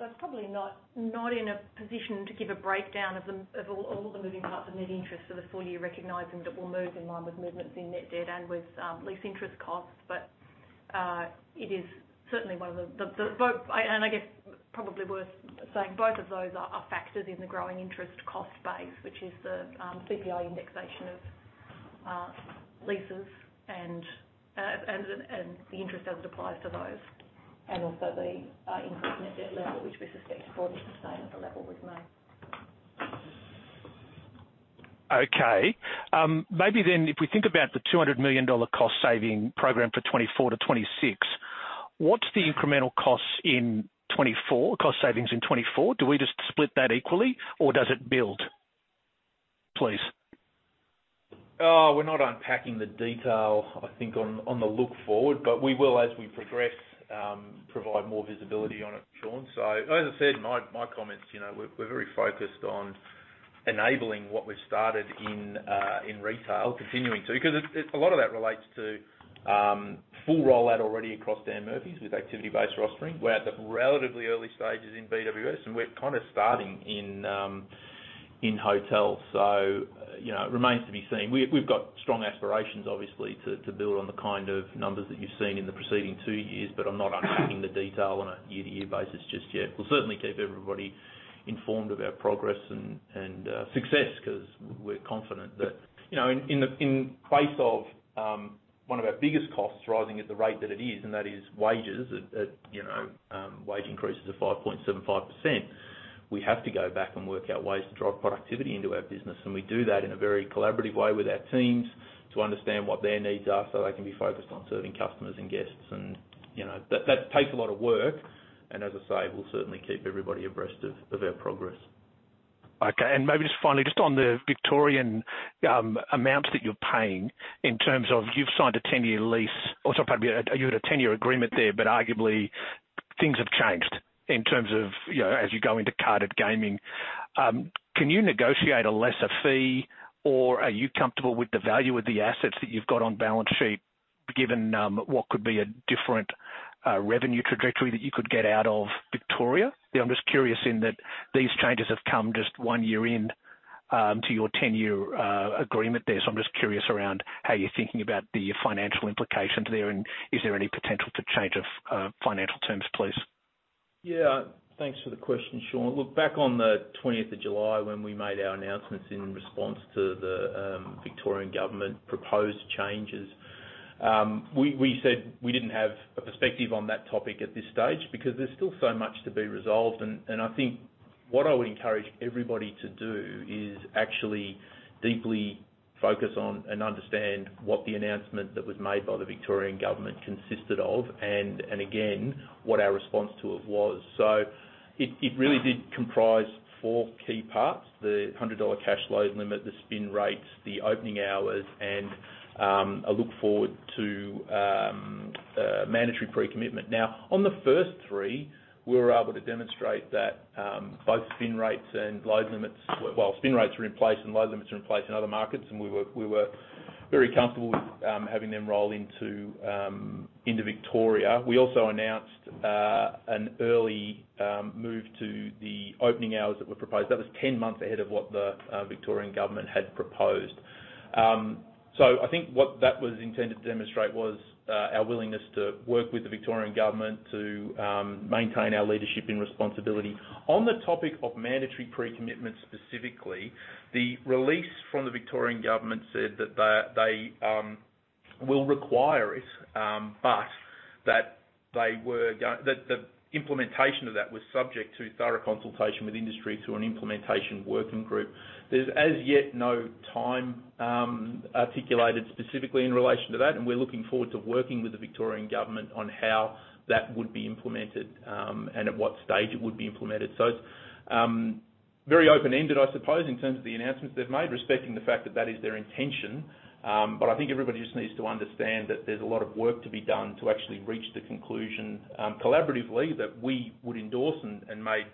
It's probably not, not in a position to give a breakdown of the, of all, all the moving parts of net interest for the full year, recognizing that we'll move in line with movements in net debt and with lease interest costs. It is certainly one of the, the, and I guess probably worth saying both of those are, are factors in the growing interest cost base, which is the CPI indexation of leases and, and, and the interest as it applies to those, and also the increase in net debt level, which we suspect will be the same as the level we've made. Okay. maybe then, if we think about the 200 million dollar cost-saving program for 2024 to 2026, what's the incremental costs in 2024, cost savings in 2024? Do we just split that equally, or does it build, please? We're not unpacking the detail, I think, on, on the look forward, but we will, as we progress, provide more visibility on it, Shaun. As I said in my, my comments, you know, we're, we're very focused on enabling what we've started in, in retail, continuing to... Because a lot of that relates to, full rollout already across Dan Murphy's with activity-based rostering. We're at the relatively early stages in BWS, and we're kind of starting in, in hotels. You know, it remains to be seen. We've, we've got strong aspirations, obviously, to, to build on the kind of numbers that you've seen in the preceding two years, but I'm not unpacking the detail on a year-to-year basis just yet. We'll certainly keep everybody informed of our progress and success, because we're confident that, you know, in, in the, in place of one of our biggest costs rising at the rate that it is, and that is wages, at, at, you know, wage increases of 5.75%, we have to go back and work out ways to drive productivity into our business. We do that in a very collaborative way with our teams to understand what their needs are, so they can be focused on serving customers and guests. You know, that, that takes a lot of work, and as I say, we'll certainly keep everybody abreast of, of our progress. Okay. Maybe just finally, just on the Victorian amounts that you're paying, in terms of you've signed a 10-year lease, or sorry, pardon me, you had a 10-year agreement there, but arguably, things have changed in terms of, you know, as you go into carded gaming. Can you negotiate a lesser fee, or are you comfortable with the value of the assets that you've got on balance sheet, given what could be a different revenue trajectory that you could get out of Victoria? I'm just curious in that these changes have come just one year in to your 10-year agreement there. I'm just curious around how you're thinking about the financial implications there, and is there any potential for change of financial terms, please? Thanks for the question, Shaun. Back on the 20th of July, when we made our announcements in response to the Victorian Government proposed changes, we said we didn't have a perspective on that topic at this stage because there's still so much to be resolved. I think what I would encourage everybody to do is actually deeply focus on and understand what the announcement that was made by the Victorian Government consisted of, and again, what our response to it was. It really did comprise four key parts: the 100 dollar cash load limit, the spin rates, the opening hours, and a look forward to mandatory pre-commitment. On the first three, we were able to demonstrate that both spin rates and load limits. Well, spin rates are in place, and load limits are in place in other markets, and we were very comfortable with having them roll into Victoria. We also announced an early move to the opening hours that were proposed. That was 10 months ahead of what the Victorian Government had proposed. I think what that was intended to demonstrate was our willingness to work with the Victorian Government to maintain our leadership and responsibility. On the topic of mandatory pre-commitment, specifically, the release from the Victorian Government said that they will require it, that they were go- that the implementation of that was subject to thorough consultation with industry through an implementation working group. There's as yet no time articulated specifically in relation to that, and we're looking forward to working with the Victorian Government on how that would be implemented, and at what stage it would be implemented. Very open-ended, I suppose, in terms of the announcements they've made, respecting the fact that that is their intention. But I think everybody just needs to understand that there's a lot of work to be done to actually reach the conclusion collaboratively, that we would endorse and, and made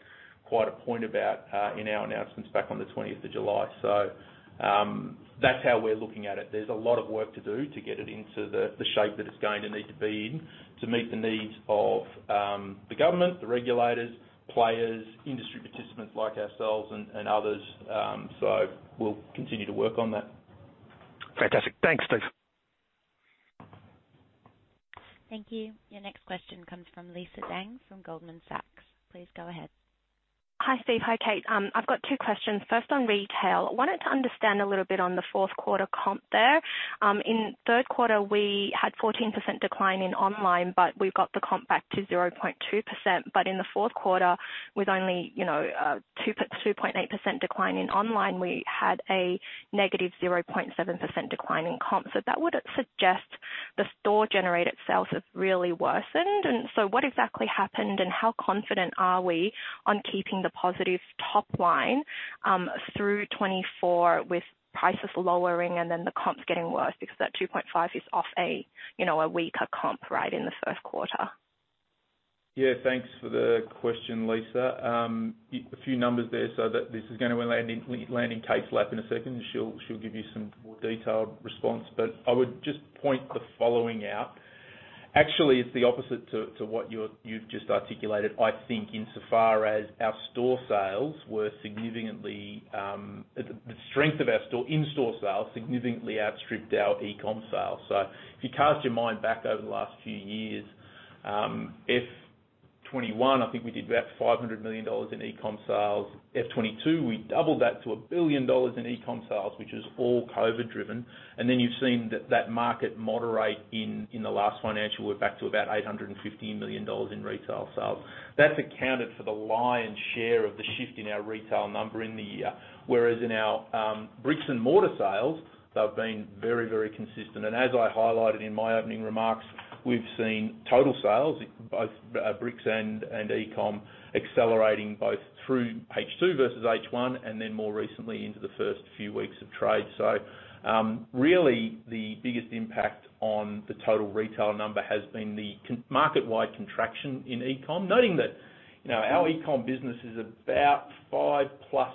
quite a point about in our announcements back on the 20th of July. That's how we're looking at it. There's a lot of work to do to get it into the, the shape that it's going to need to be in to meet the needs of, the government, the regulators, players, industry participants like ourselves and, and others. We'll continue to work on that. Fantastic. Thanks, Steve. Thank you. Your next question comes from Lisa Deng, from Goldman Sachs. Please go ahead. Hi, Steve. Hi, Kate. I've got two questions. First, on retail. I wanted to understand a little bit on the fourth quarter comp there. In third quarter, we had 14% decline in online, we've got the comp back to 0.2%. In the fourth quarter, with only, you know, 2.8% decline in online, we had a negative 0.7% decline in comp. That would suggest the store-generated sales have really worsened. What exactly happened, how confident are we on keeping the positive top line through 2024, with prices lowering and then the comps getting worse? That 2.5 is off a, you know, a weaker comp right in the first quarter. Yeah, thanks for the question, Lisa. A few numbers there so that this is going to land in, land in Kate's lap in a second, and she'll give you some more detailed response. I would just point the following out. Actually, it's the opposite to what you're, you've just articulated. I think insofar as our store sales were significantly. The strength of our store, in-store sales significantly outstripped our e-com sales. If you cast your mind back over the last few years, FY 2021, I think we did about 500 million dollars in e-comm sales. FY 2022, we doubled that to 1 billion dollars in e-comm sales, which is all COVID driven. Then you've seen that market moderate in the last financial year, back to about 815 million dollars in retail sales. That's accounted for the lion's share of the shift in our retail number in the year. Whereas in our bricks-and-mortar sales, they've been very, very consistent. As I highlighted in my opening remarks, we've seen total sales, both bricks and e-comm, accelerating both through H2 versus H1, and then more recently into the first few weeks of trade. Really, the biggest impact on the total retail number has been the market-wide contraction in e-comm. Noting that, you know, our e-comm business is about 5+x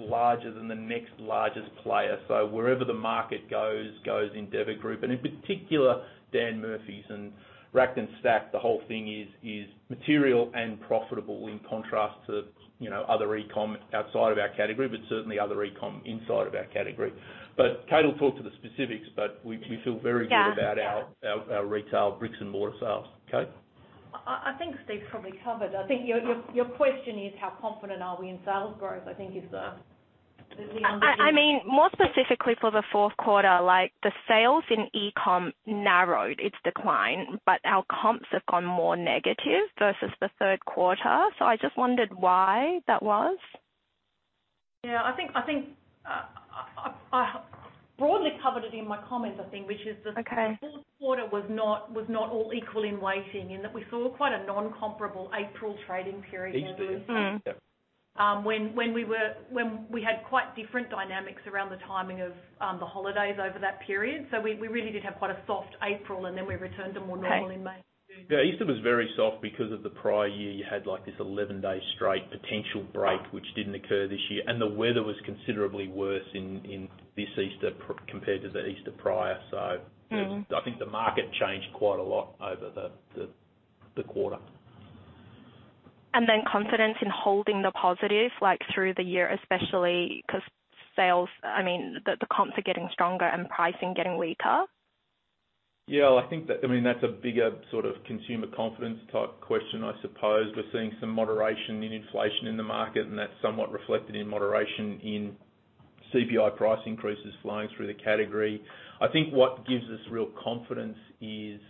larger than the next largest player. Wherever the market goes, goes Endeavour Group, and in particular, Dan Murphy's. Racked and stacked, the whole thing is material and profitable in contrast to, you know, other e-comm outside of our category, but certainly other e-comm inside of our category. Kate will talk to the specifics, but we, we feel very good. Yeah About our, our, our retail bricks-and-mortar sales. Kate? I think Steve probably covered. I think your question is, how confident are we in sales growth? I mean, more specifically for the 4th quarter, like the sales in e-com narrowed its decline. Our comps have gone more negative versus the 3rd quarter. I just wondered why that was. Yeah, I think, I think, I, I broadly covered it in my comments, I think, which is that. Okay. The fourth quarter was not all equal in weighting, in that we saw quite a non-comparable April trading period. Easter. Yep. When, when we had quite different dynamics around the timing of the holidays over that period. We, we really did have quite a soft April, and then we returned to more normal in May. Okay. Yeah, Easter was very soft because of the prior year, you had, like, this 11-day straight potential break, which didn't occur this year, and the weather was considerably worse in, in this Easter compared to the Easter prior. I think the market changed quite a lot over the, the, the quarter. Then confidence in holding the positive, like, through the year, especially 'cause sales, I mean, the comps are getting stronger and pricing getting weaker? Yeah, well, I think that, I mean, that's a bigger sort of consumer confidence type question, I suppose. We're seeing some moderation in inflation in the market, that's somewhat reflected in moderation in CPI price increases flowing through the category. I think what gives us real confidence is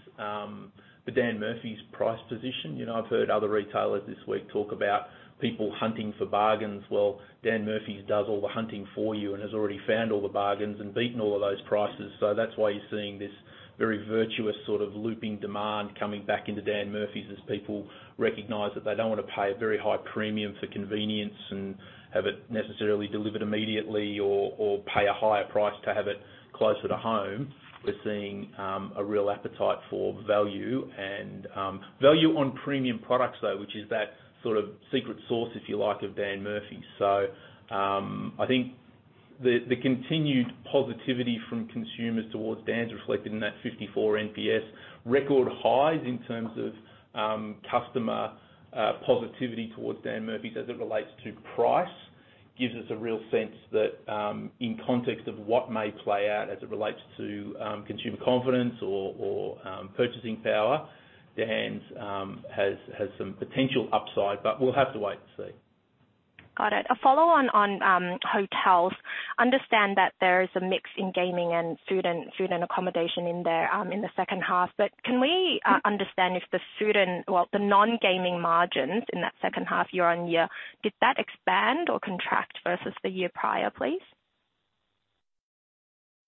the Dan Murphy's price position. You know, I've heard other retailers this week talk about people hunting for bargains. Well, Dan Murphy's does all the hunting for you and has already found all the bargains and beaten all of those prices. That's why you're seeing this very virtuous sort of looping demand coming back into Dan Murphy's, as people recognize that they don't want to pay a very high premium for convenience and have it necessarily delivered immediately or, or pay a higher price to have it closer to home. We're seeing a real appetite for value and value on premium products, though, which is that sort of secret sauce, if you like, of Dan Murphy's. I think the continued positivity from consumers towards Dan's reflected in that 54 NPS. Record highs in terms of customer positivity towards Dan Murphy's as it relates to price, gives us a real sense that, in context of what may play out as it relates to consumer confidence or purchasing power, Dan's has some potential upside, but we'll have to wait and see. Got it. A follow on, on hotels. Understand that there is a mix in gaming and food and, food and accommodation in there in the second half. Can we understand if the food and... Well, the non-gaming margins in that second half, year-on-year, did that expand or contract versus the year prior, please?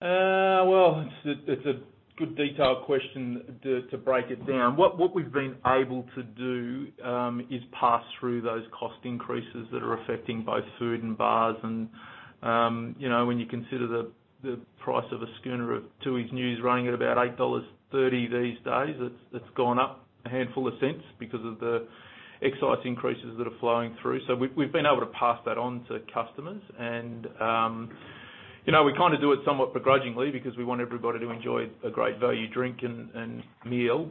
Well, it's a, it's a good detailed question to, to break it down. What, what we've been able to do, is pass through those cost increases that are affecting both food and bars. You know, when you consider the, the price of a schooner of Tooheys New running at about 8.30 dollars these days, it's, it's gone up a handful of cents because of the excise increases that are flowing through. We've, we've been able to pass that on to customers. You know, we kind of do it somewhat begrudgingly because we want everybody to enjoy a great value drink and, and meal.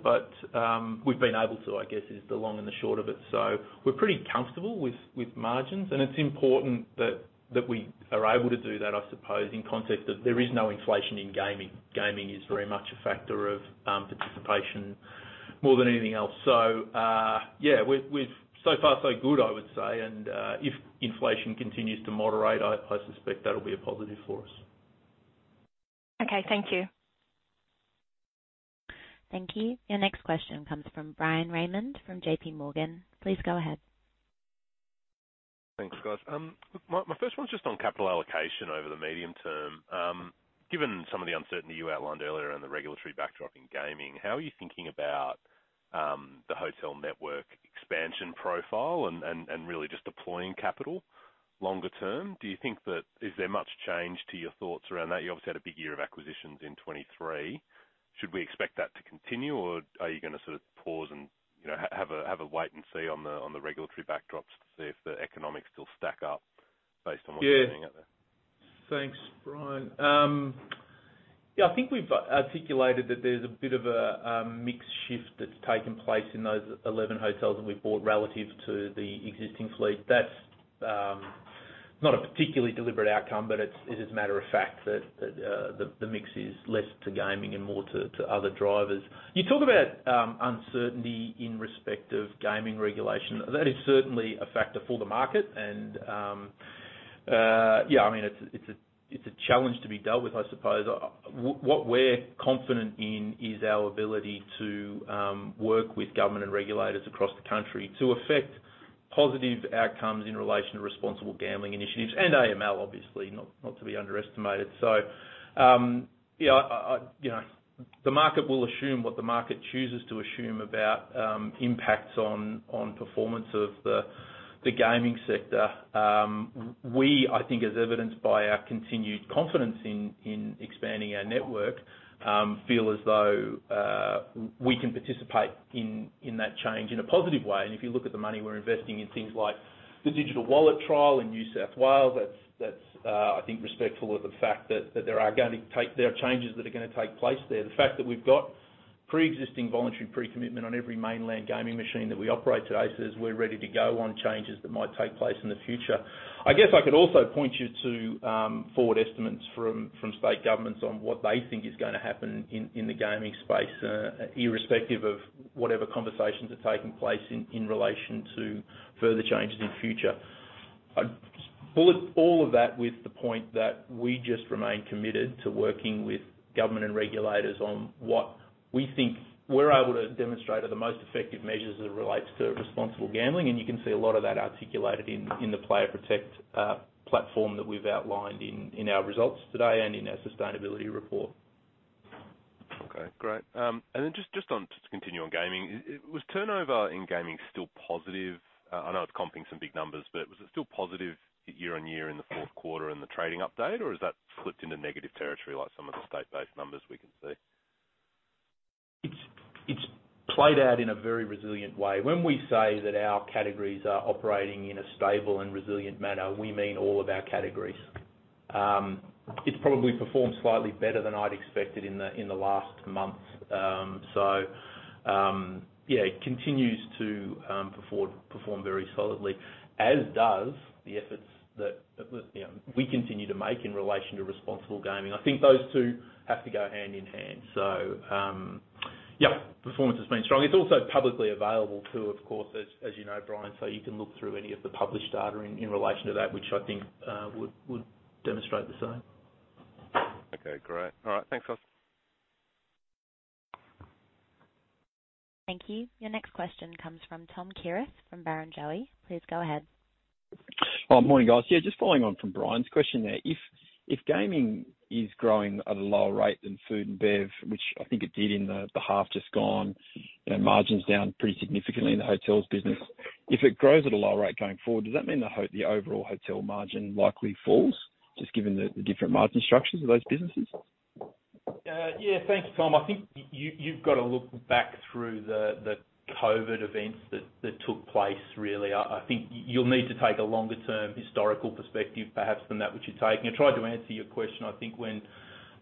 We've been able to, I guess, is the long and the short of it. We're pretty comfortable with, with margins, and it's important that, that we are able to do that, I suppose, in context of there is no inflation in gaming. Gaming is very much a factor of participation more than anything else. Yeah, we've, we've so far, so good, I would say, and if inflation continues to moderate, I, I suspect that'll be a positive for us. Okay. Thank you. Thank you. Your next question comes from Bryan Raymond, from JPMorgan. Please go ahead. Thanks, guys. My first one's just on capital allocation over the medium term. Given some of the uncertainty you outlined earlier around the regulatory backdrop in gaming, how are you thinking about the hotel network expansion profile and really just deploying capital longer term? Do you think that? Is there much change to your thoughts around that? You obviously had a big year of acquisitions in 2023. Should we expect that to continue, or are you gonna sort of pause and, you know, have a wait and see on the regulatory backdrops to see if the economics still stack up based on what's happening out there? Thanks, Bryan. I think we've articulated that there's a bit of a mix shift that's taken place in those 11 hotels that we've bought relative to the existing fleet. That's not a particularly deliberate outcome, but it's, it is matter of fact that the mix is less to gaming and more to other drivers. You talk about uncertainty in respect of gaming regulation. That is certainly a factor for the market and, I mean, it's, it's a, it's a challenge to be dealt with, I suppose. What we're confident in is our ability to, work with government and regulators across the country to affect positive outcomes in relation to responsible gambling initiatives and AML, obviously, not to be underestimated. Yeah, I, I, you know, the market will assume what the market chooses to assume about impacts on, on performance of the gaming sector. We, I think, as evidenced by our continued confidence in, in expanding our network, feel as though we can participate in, in that change in a positive way. If you look at the money we're investing in things like the digital wallet trial in New South Wales, that's, that's, I think, respectful of the fact that there are changes that are gonna take place there. The fact that we've got preexisting voluntary pre-commitment on every mainland gaming machine that we operate today, says we're ready to go on changes that might take place in the future. I guess I could also point you to forward estimates from state governments on what they think is gonna happen in the gaming space, irrespective of whatever conversations are taking place in relation to further changes in future. I'd just bullet all of that with the point that we just remain committed to working with government and regulators on what we think we're able to demonstrate are the most effective measures as it relates to responsible gambling. You can see a lot of that articulated in the Player Protect platform that we've outlined in our results today and in our sustainability report. Okay, great. To continue on gaming. Was turnover in gaming still positive? I know it's comping some big numbers, but was it still positive year-on-year in the fourth quarter and the trading update, or has that slipped into negative territory like some of the state-based numbers we can see? It's, it's played out in a very resilient way. When we say that our categories are operating in a stable and resilient manner, we mean all of our categories. It's probably performed slightly better than I'd expected in the last month. Yeah, it continues to perform very solidly, as does the efforts that, you know, we continue to make in relation to responsible gaming. I think those two have to go hand in hand. Yeah, performance has been strong. It's also publicly available, too, of course, as you know, Bryan, so you can look through any of the published data in relation to that, which I think would demonstrate the same. Okay, great. All right. Thanks, Austin. Thank you. Your next question comes from Tom Kierath, from Barrenjoey. Please go ahead. Oh, morning, guys. Yeah, just following on from Bryan's question there. If, if gaming is growing at a lower rate than food and bev, which I think it did in the, the half just gone, you know, margins down pretty significantly in the hotels business. If it grows at a lower rate going forward, does that mean the overall hotel margin likely falls, just given the different margin structures of those businesses? Yeah, thank you, Tom. I think you, you've got to look back through the COVID events that took place, really. I think you'll need to take a longer term historical perspective, perhaps, than that which you're taking. I tried to answer your question, I think, when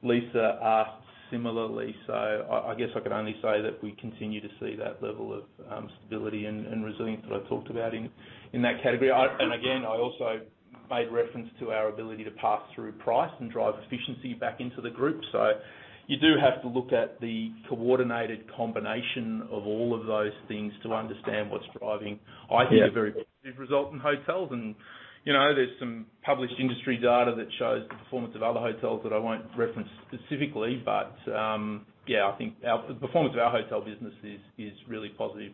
Lisa asked similarly. I guess I could only say that we continue to see that level of stability and resilience that I talked about in that category. And again, I also made reference to our ability to pass through price and drive efficiency back into the group. You do have to look at the coordinated combination of all of those things to understand what's driving, I think, a very positive result in hotels. you know, there's some published industry data that shows the performance of other hotels that I won't reference specifically. yeah, I think our, the performance of our hotel business is, is really positive.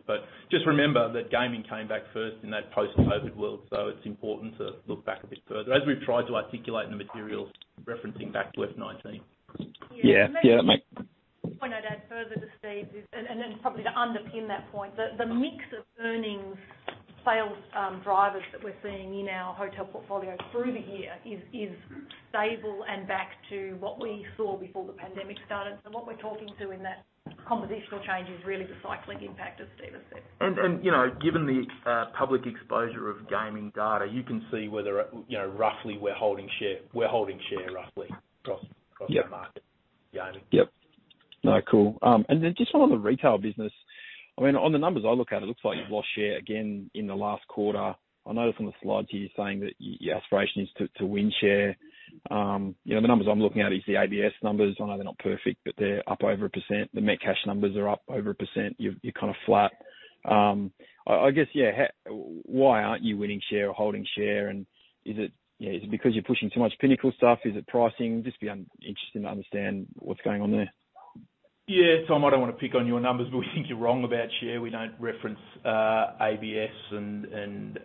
just remember that gaming came back first in that post-COVID world, so it's important to look back a bit further, as we've tried to articulate in the materials, referencing back to FY 2019. Yeah. Yeah, that makes- Point I'd add further to Steve is, and then probably to underpin that point, the mix of earnings sales drivers that we're seeing in our hotel portfolio through the year is stable and back to what we saw before the pandemic started. What we're talking to in that compositional change is really the cycling impact, as Steve has said. You know, given the public exposure of gaming data, you can see whether, you know, roughly, we're holding share roughly across, across the market. Gaming. Yep. No, cool. Just one on the retail business. I mean, on the numbers I look at, it looks like you've lost share again in the last quarter. I noticed on the slides here, you're saying that your aspiration is to, to win share. You know, the numbers I'm looking at is the ABS numbers. I know they're not perfect, but they're up over 1%. The Metcash numbers are up over 1%. You're, you're kind of flat. I guess, yeah, how... Why aren't you winning share or holding share? Is it, you know, is it because you're pushing too much Pinnacle stuff? Is it pricing? Just interested to understand what's going on there. Yeah, Tom, I don't wanna pick on your numbers, but we think you're wrong about share. We don't reference ABS and, and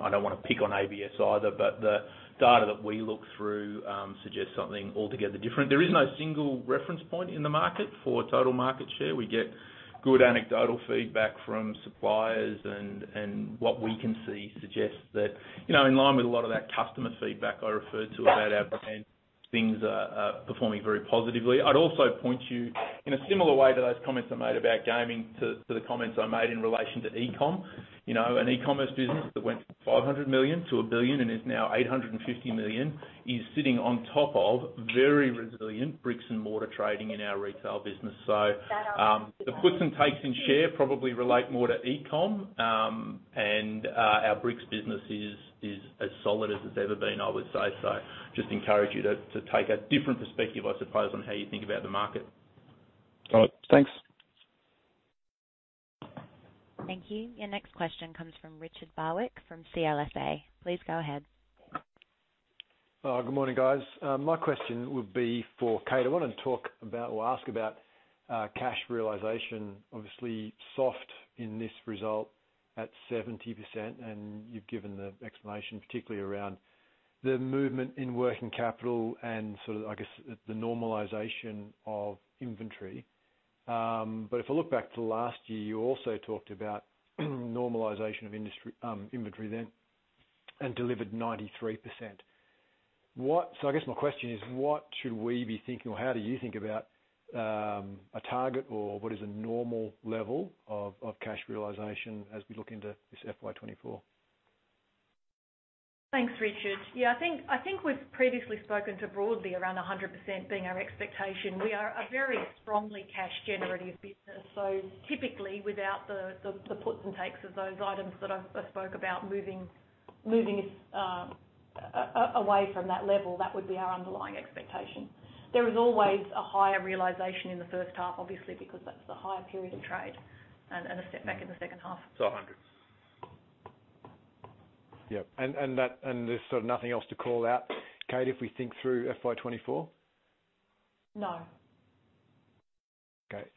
I don't wanna pick on ABS either, but the data that we look through suggests something altogether different. There is no single reference point in the market for total market share. We get good anecdotal feedback from suppliers, and, and what we can see suggests that, you know, in line with a lot of that customer feedback I referred to about our brand, things are, are performing very positively. I'd also point you, in a similar way to those comments I made about gaming, to, to the comments I made in relation to e-com. You know, an e-commerce business that went from 500 million to 1 billion and is now 850 million, is sitting on top of very resilient bricks-and-mortar trading in our retail business. The puts and takes in share probably relate more to e-com, and our bricks business is as solid as it's ever been, I would say. Just encourage you to take a different perspective, I suppose, on how you think about the market. All right. Thanks. Thank you. Your next question comes from Richard Barwick, from CLSA. Please go ahead. Good morning, guys. My question would be for Kate. I want to talk about or ask about cash realization. Obviously, soft in this result at 70%, and you've given the explanation, particularly around the movement in working capital and sort of, I guess, the normalization of inventory. If I look back to last year, you also talked about normalization of industry inventory then, and delivered 93%. I guess my question is: What should we be thinking or how do you think about a target or what is a normal level of cash realization as we look into this FY 2024? Thanks, Richard. Yeah, I think, I think we've previously spoken to broadly around 100% being our expectation. We are a very strongly cash-generative business, so typically, without the puts and takes of those items that I spoke about moving away from that level, that would be our underlying expectation. There is always a higher realization in the first half, obviously, because that's the higher period of trade and a setback in the second half. 100. Yep, and there's sort of nothing else to call out, Kate, if we think through FY 2024? No. Okay.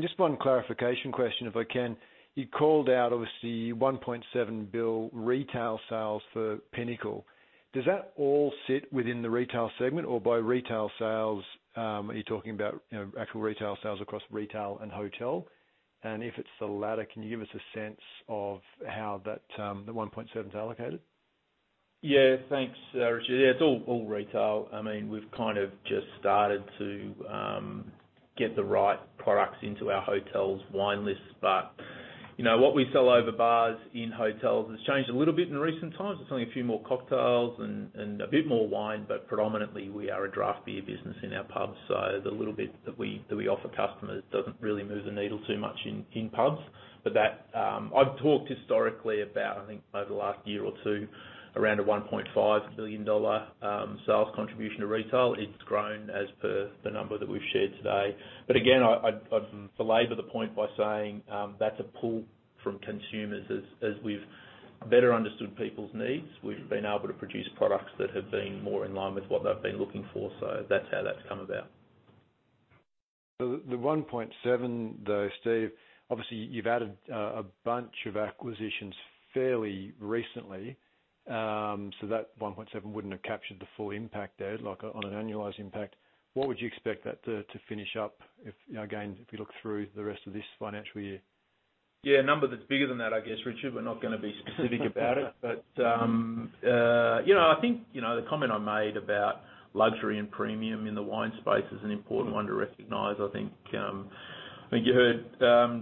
Just one clarification question, if I can. You called out, obviously, 1.7 billion retail sales for Pinnacle. Does that all sit within the retail segment, or by retail sales, are you talking about, you know, actual retail sales across retail and hotel? If it's the latter, can you give us a sense of how that, the 1.7 billion is allocated? Yeah, thanks, Richard. Yeah, it's all, all retail. I mean, we've kind of just started to get the right products into our hotel's wine list, but, you know, what we sell over bars in hotels has changed a little bit in recent times. It's only a few more cocktails and, and a bit more wine, but predominantly, we are a draft beer business in our pubs. The little bit that we, that we offer customers doesn't really move the needle too much in, in pubs. That I've talked historically about, I think over the last year or two, around a 1.5 billion dollar sales contribution to retail. It's grown as per the number that we've shared today. Again, I've belabor the point by saying that's a pull from consumers. As we've better understood people's needs, we've been able to produce products that have been more in line with what they've been looking for. That's how that's come about. The 1.7, though, Steve, obviously, you've added a bunch of acquisitions fairly recently. That 1.7 wouldn't have captured the full impact there, like on an annualized impact. What would you expect that to finish up if, you know, again, if you look through the rest of this financial year? Yeah, a number that's bigger than that, I guess, Richard, we're not gonna be specific about it. You know, I think, you know, the comment I made about luxury and premium in the wine space is an important one to recognize, I think. I think you heard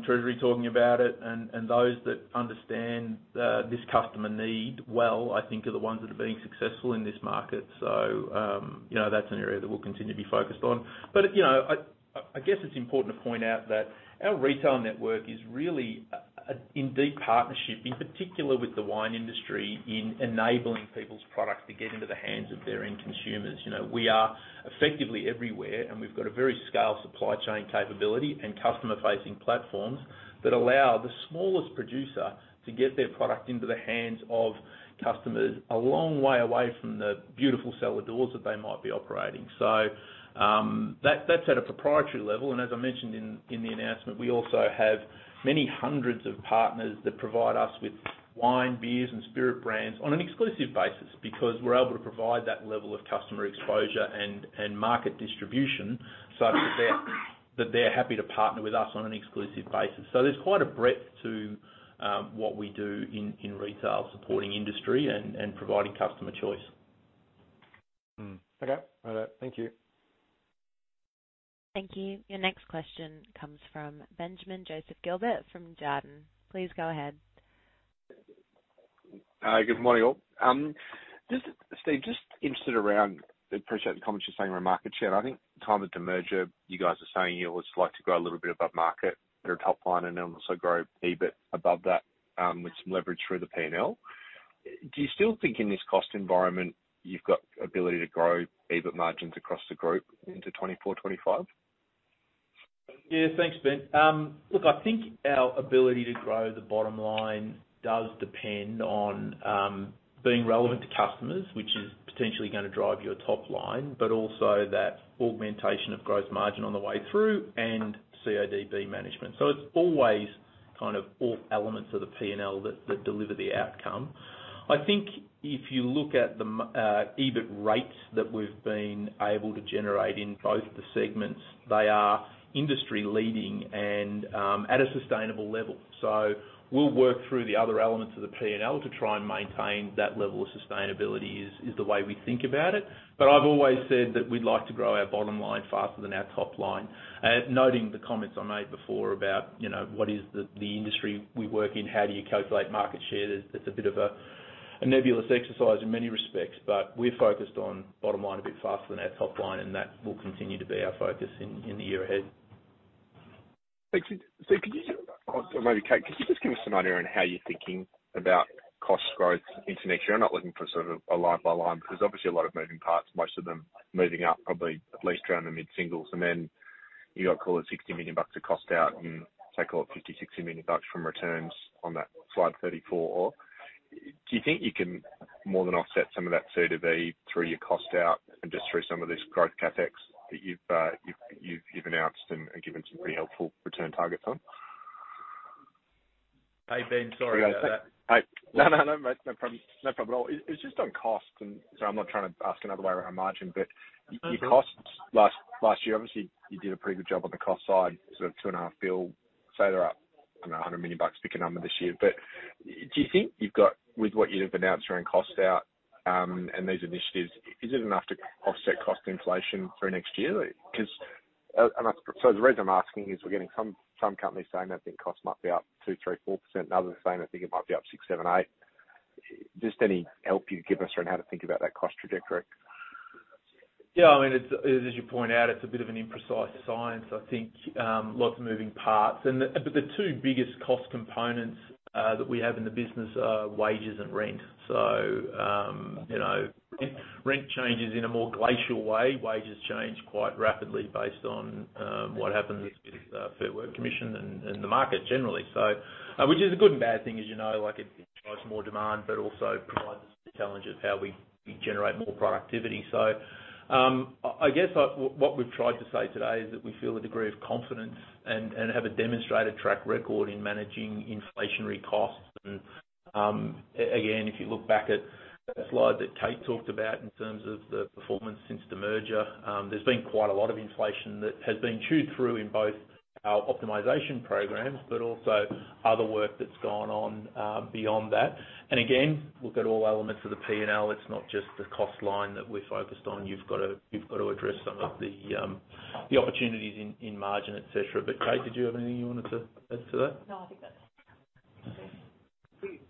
Treasury talking about it, and, and those that understand this customer need well, I think, are the ones that are being successful in this market. You know, that's an area that we'll continue to be focused on. You know, I, I guess it's important to point out that our retail network is really a, a in deep partnership, in particular with the wine industry, in enabling people's products to get into the hands of their end consumers. You know, we are effectively everywhere, and we've got a very scale supply chain capability and customer-facing platforms that allow the smallest producer to get their product into the hands of customers a long way away from the beautiful cellar doors that they might be operating. That's at a proprietary level, and as I mentioned in the announcement, we also have many hundreds of partners that provide us with wine, beers, and spirit brands on an exclusive basis, because we're able to provide that level of customer exposure and market distribution, such that they're happy to partner with us on an exclusive basis. There's quite a breadth to what we do in retail, supporting industry and providing customer choice. Okay. All right. Thank you. Thank you. Your next question comes from Benjamin Joseph Gilbert, from Jarden. Please go ahead. Good morning, all. Steve, I appreciate the comments you're saying around market share. I think timing to merger, you guys are saying you always like to grow a little bit above market at a top line, then also grow EBIT above that, with some leverage through the P&L. Do you still think in this cost environment, you've got ability to grow EBIT margins across the group into 2024, 2025? Yeah, thanks, Ben. Look, I think our ability to grow the bottom line does depend on being relevant to customers, which is potentially gonna drive your top line, but also that augmentation of growth margin on the way through and CODB management. It's always kind of all elements of the P&L that, that deliver the outcome. I think if you look at the EBIT rates that we've been able to generate in both the segments, they are industry leading and at a sustainable level. We'll work through the other elements of the P&L to try and maintain that level of sustainability, is the way we think about it. I've always said that we'd like to grow our bottom line faster than our top line. Noting the comments I made before about, you know, what is the, the industry we work in? How do you calculate market share? That's a bit of a nebulous exercise in many respects, but we're focused on bottom line a bit faster than our top line, and that will continue to be our focus in the year ahead. Thanks. Kate, could you just give us some idea on how you're thinking about cost growth into next year? I'm not looking for sort of a line by line. There's obviously a lot of moving parts, most of them moving up, probably at least around the mid-singles. You've got to call it 60 million bucks to cost out and take off 50 million-60 million bucks from returns on that slide 34. Do you think you can more than offset some of that CODB through your cost out and just through some of these growth CapEx that you've announced and given some pretty helpful return targets on? Hey, Ben, sorry about that. Hi. No, no, no, mate. No problem, no problem at all. It, it's just on cost, and so I'm not trying to ask another way around margin. Your costs last, last year, obviously, you did a pretty good job on the cost side, sort of 2.5 billion, say they're up, I don't know, 100 million bucks, pick a number this year. Do you think with what you've announced around cost out, and these initiatives, is it enough to offset cost inflation through next year? The reason I'm asking is we're getting some companies saying that their costs might be up 2%, 3%, 4%, and others are saying, I think it might be up 6%, 7%, 8%. Just any help you'd give us on how to think about that cost trajectory? Yeah, I mean, it's, as you point out, it's a bit of an imprecise science. I think, lots of moving parts. But the two biggest cost components that we have in the business are wages and rent. You know, rent, rent changes in a more glacial way. Wages change quite rapidly based on what happens with Fair Work Commission and the market generally. Which is a good and bad thing, as you know, like, it drives more demand, but also provides the challenge of how we, we generate more productivity. I, I guess, what we've tried to say today is that we feel a degree of confidence and have a demonstrated track record in managing inflationary costs. Again, if you look back at the slide that Kate talked about in terms of the performance since the merger, there's been quite a lot of inflation that has been chewed through in both our optimization programs, but also other work that's gone on beyond that. Again, look at all elements of the P&L. It's not just the cost line that we're focused on. You've got to, you've got to address some of the opportunities in, in margin, et cetera. Kate, did you have anything you wanted to add to that? No, I think that's it.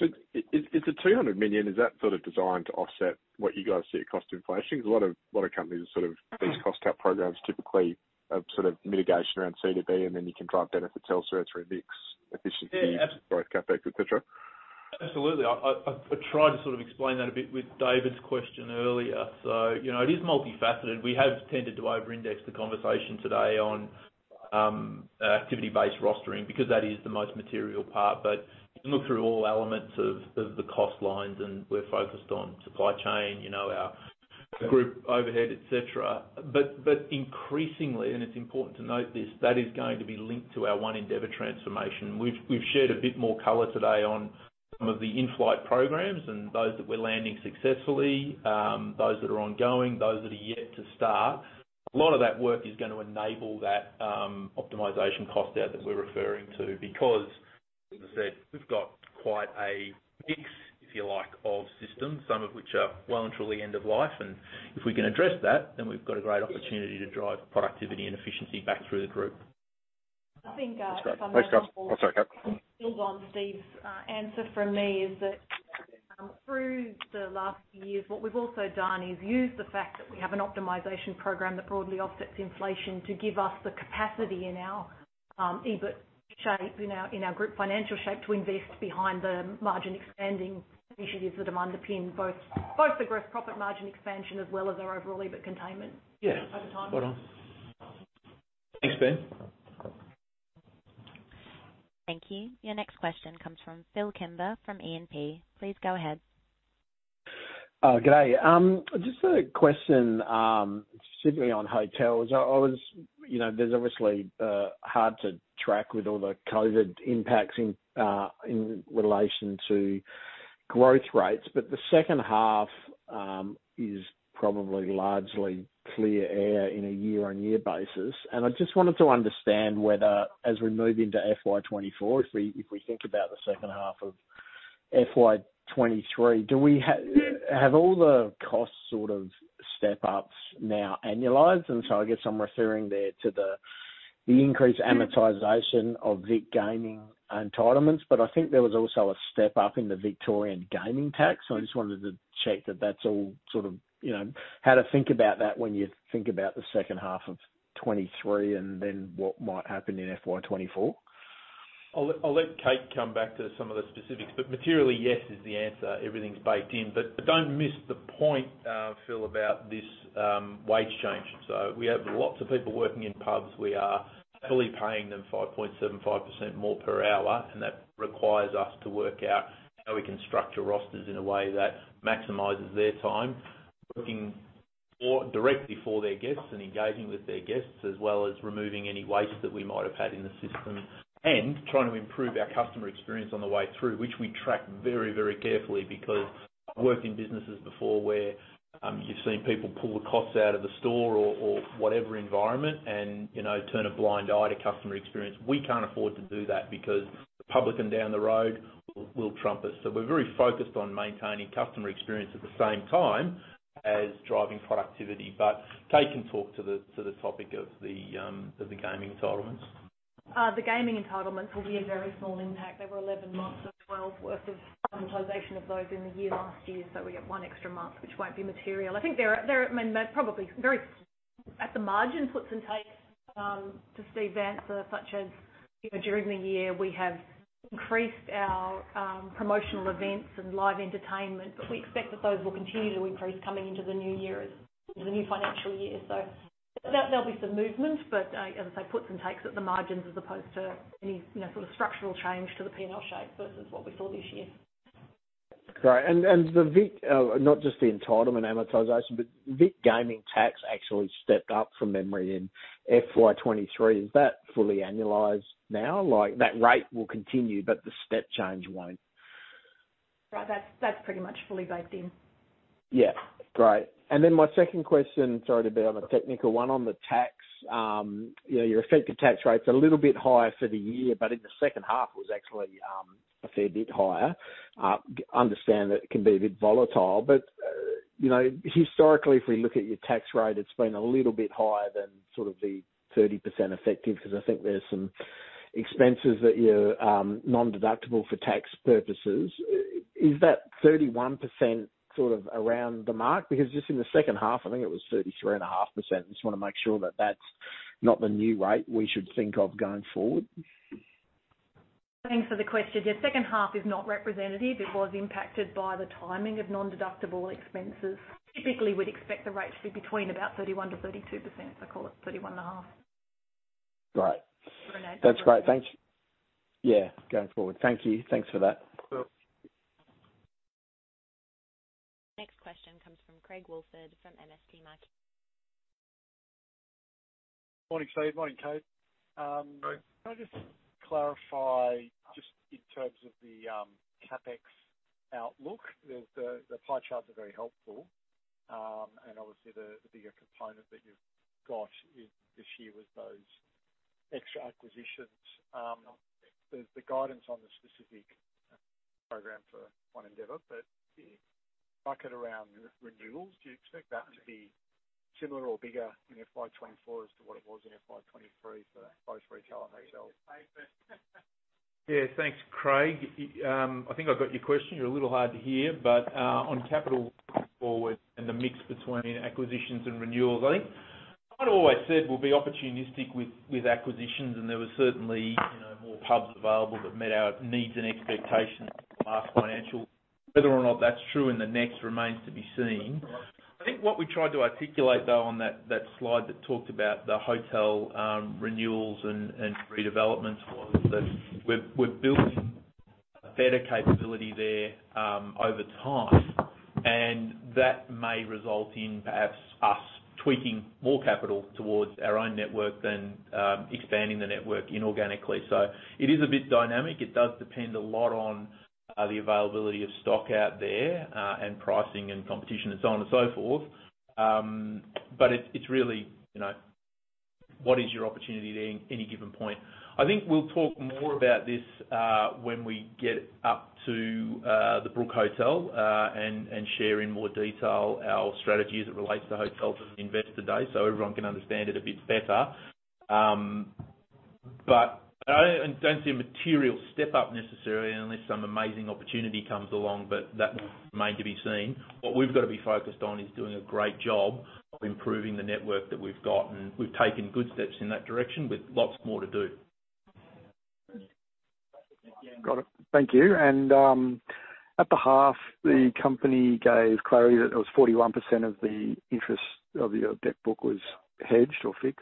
Okay. Is, is the 200 million, is that sort of designed to offset what you guys see at cost inflation? Because a lot of, a lot of companies are sort of these cost cap programs typically are sort of mitigation around CODB, then you can drive benefit Telstra through mix efficiency. Yeah. Growth, CapEx, et cetera? Absolutely. I, I, I tried to sort of explain that a bit with David's question earlier. You know, it is multifaceted. We have tended to over-index the conversation today on activity-based rostering, because that is the most material part. If you look through all elements of, of the cost lines, and we're focused on supply chain, you know, our group overhead, et cetera. Increasingly, and it's important to note this, that is going to be linked to our One Endeavour transformation. We've, we've shared a bit more color today on some of the in-flight programs and those that we're landing successfully, those that are ongoing, those that are yet to start. A lot of that work is going to enable that optimization cost out that we're referring to because, as I said, we've got quite a mix, if you like, of systems, some of which are well and truly end of life. If we can address that, then we've got a great opportunity to drive productivity and efficiency back through the group. I think. Thanks, Steve. Oh, sorry, Kate. To build on Steve's answer from me is that, through the last few years, what we've also done is use the fact that we have an optimization program that broadly offsets inflation to give us the capacity in our EBIT shape, in our, in our group financial shape, to invest behind the margin expanding initiatives that have underpinned both, both the gross profit margin expansion as well as our overall EBIT containment. Yeah. Over time. Right on. Thanks, Ben. Thank you. Your next question comes from Phil Kimber, from E&P. Please go ahead. Good day. Just a question, specifically on hotels. I, I was-- you know, there's obviously hard to track with all the COVID-19 impacts in relation to growth rates, but the second half is probably largely clear air in a year-on-year basis. I just wanted to understand whether, as we move into FY 2024, if we, if we think about the second half of FY 2023, do we have all the costs sort of step ups now annualized? I guess I'm referring there to the, the increased amortization of Vic Gaming entitlements, but I think there was also a step-up in the Victorian gaming tax. I just wanted to check that that's all sort of, you know, how to think about that when you think about the second half of 2023 and then what might happen in FY 2024. I'll let Kate come back to some of the specifics, materially, yes, is the answer. Everything's baked in. Don't miss the point, Phil, about this wage change. We have lots of people working in pubs. We are fully paying them 5.75% more per hour, and that requires us to work out how we can structure rosters in a way that maximizes their time, working more directly for their guests and engaging with their guests, as well as removing any waste that we might have had in the system. Trying to improve our customer experience on the way through, which we track very, very carefully because I've worked in businesses before where, you've seen people pull the costs out of the store or, or whatever environment and, you know, turn a blind eye to customer experience. We can't afford to do that because the publican down the road will trump us. We're very focused on maintaining customer experience at the same time as driving productivity. Kate can talk to the, to the topic of the gaming entitlements. The gaming entitlements will be a very small impact. They were 11 months of 12 worth of amortization of those in the year, last year, so we get one extra month, which won't be material. I think there are, there are, I mean, probably very at the margin, puts and takes to Steve's answer, such as, you know, during the year, we have increased our promotional events and live entertainment, but we expect that those will continue to increase coming into the new year, as the new financial year. There, there'll be some movement, but as I say, puts and takes at the margins as opposed to any, you know, sort of structural change to the P&L shape versus what we saw this year. Great. And the Vic, not just the entitlement amortization, but Vic Gaming tax actually stepped up from memory in FY 2023. Is that fully annualized now? Like, that rate will continue, but the step change won't. Right. That's, that's pretty much fully baked in. Yeah. Great. My second question, sorry, to be on a technical one, on the tax. You know, your effective tax rate's a little bit higher for the year, but in the second half was actually a fair bit higher. Understand that it can be a bit volatile, but, you know, historically, if we look at your tax rate, it's been a little bit higher than sort of the 30% effective, because I think there's some expenses that you're non-deductible for tax purposes. Is that 31% sort of around the mark? Because just in the second half, I think it was 33.5%. I just wanna make sure that that's not the new rate we should think of going forward. Thanks for the question. The second half is not representative. It was impacted by the timing of non-deductible expenses. Typically, we'd expect the rate to be between about 31%-32%. Call it 31.5%. Right. Renee? That's great. Thanks. Yeah, going forward. Thank you. Thanks for that. Next question comes from Craig Woolford from MST Marquee. Morning, Steve. Morning, Kate. Morning. Can I just clarify, just in terms of the CapEx outlook, the, the, the pie charts are very helpful. Obviously, the, the bigger component that you've got is, this year was those extra acquisitions. The, the guidance on the specific program for One Endeavour, but the bucket around renewals, do you expect that to be similar or bigger in FY 2024 as to what it was in FY 2023 for both retail and hotel? Yeah. Thanks, Craig. I think I've got your question. You're a little hard to hear, on capital going forward and the mix between acquisitions and renewals, I think I've always said we'll be opportunistic with, with acquisitions, and there was certainly, you know, more pubs available that met our needs and expectations last financial. Whether or not that's true in the next remains to be seen. I think what we tried to articulate, though, on that, that slide that talked about the hotel, renewals and, and redevelopments, was that we're, we're building a better capability there, over time, and that may result in perhaps us tweaking more capital towards our own network than, expanding the network inorganically. It is a bit dynamic. It does depend a lot on the availability of stock out there, and pricing and competition and so on and so forth. It's really, you know, what is your opportunity at any, any given point? I think we'll talk more about this when we get up to The Brook Hotel, and share in more detail our strategy as it relates to hotels on Investor Day, everyone can understand it a bit better. I don't see a material step up necessarily, unless some amazing opportunity comes along, that will remain to be seen. What we've got to be focused on is doing a great job of improving the network that we've got, we've taken good steps in that direction with lots more to do. Got it. Thank you. At the half, the company gave clarity that it was 41% of the interest of your debt book was hedged or fixed.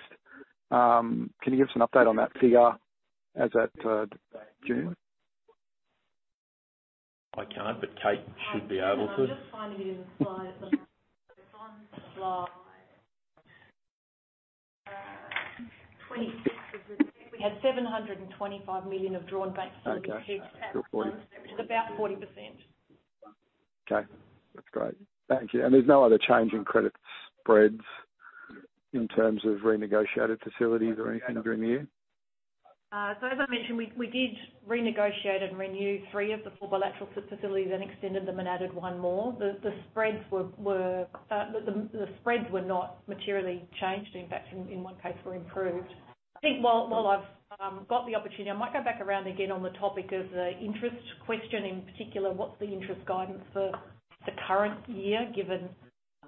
Can you give us an update on that figure as at June? I can't, but Kate should be able to. I'm just finding it in the slide. It's on slide 26. We had 725 million of drawn facilities- Okay. Which is about 40%. Okay, that's great. Thank you. There's no other change in credit spreads in terms of renegotiated facilities or anything during the year? As I mentioned, we, we did renegotiate and renew 3 of the 4 bilateral facilities and extended them and added 1 more. The spreads were not materially changed. In fact, in one case, were improved. I think while, while I've got the opportunity, I might go back around again on the topic of the interest question, in particular, what's the interest guidance for the current year, given.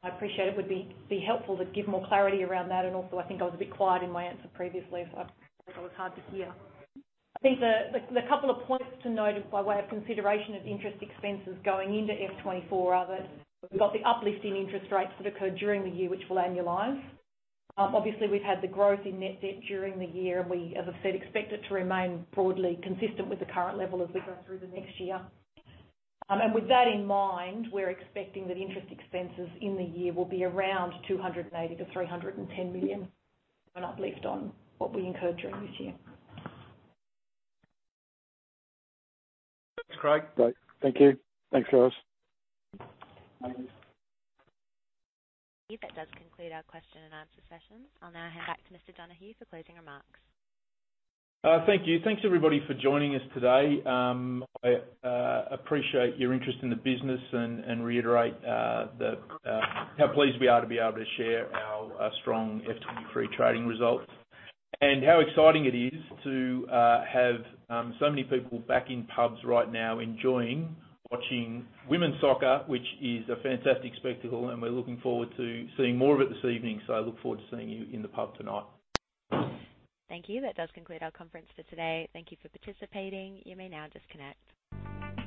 I appreciate it would be helpful to give more clarity around that, I think I was a bit quiet in my answer previously, so I think I was hard to hear. I think the couple of points to note by way of consideration of interest expenses going into FY 2024 are that we've got the uplift in interest rates that occurred during the year, which will annualize. Obviously, we've had the growth in net debt during the year, and we, as I've said, expect it to remain broadly consistent with the current level as we go through the next year. With that in mind, we're expecting that interest expenses in the year will be around 280 million-310 million, an uplift on what we incurred during this year. Thanks, Craig. Great. Thank you. Thanks, guys. That does conclude our question and answer session. I'll now hand back to Mr. Donohue for closing remarks. Thank you. Thanks, everybody, for joining us today. I appreciate your interest in the business and, and reiterate, the how pleased we are to be able to share our strong FY 2023 trading results and how exciting it is to have so many people back in pubs right now enjoying watching women's soccer, which is a fantastic spectacle, and we're looking forward to seeing more of it this evening. I look forward to seeing you in the pub tonight. Thank you. That does conclude our conference for today. Thank you for participating. You may now disconnect.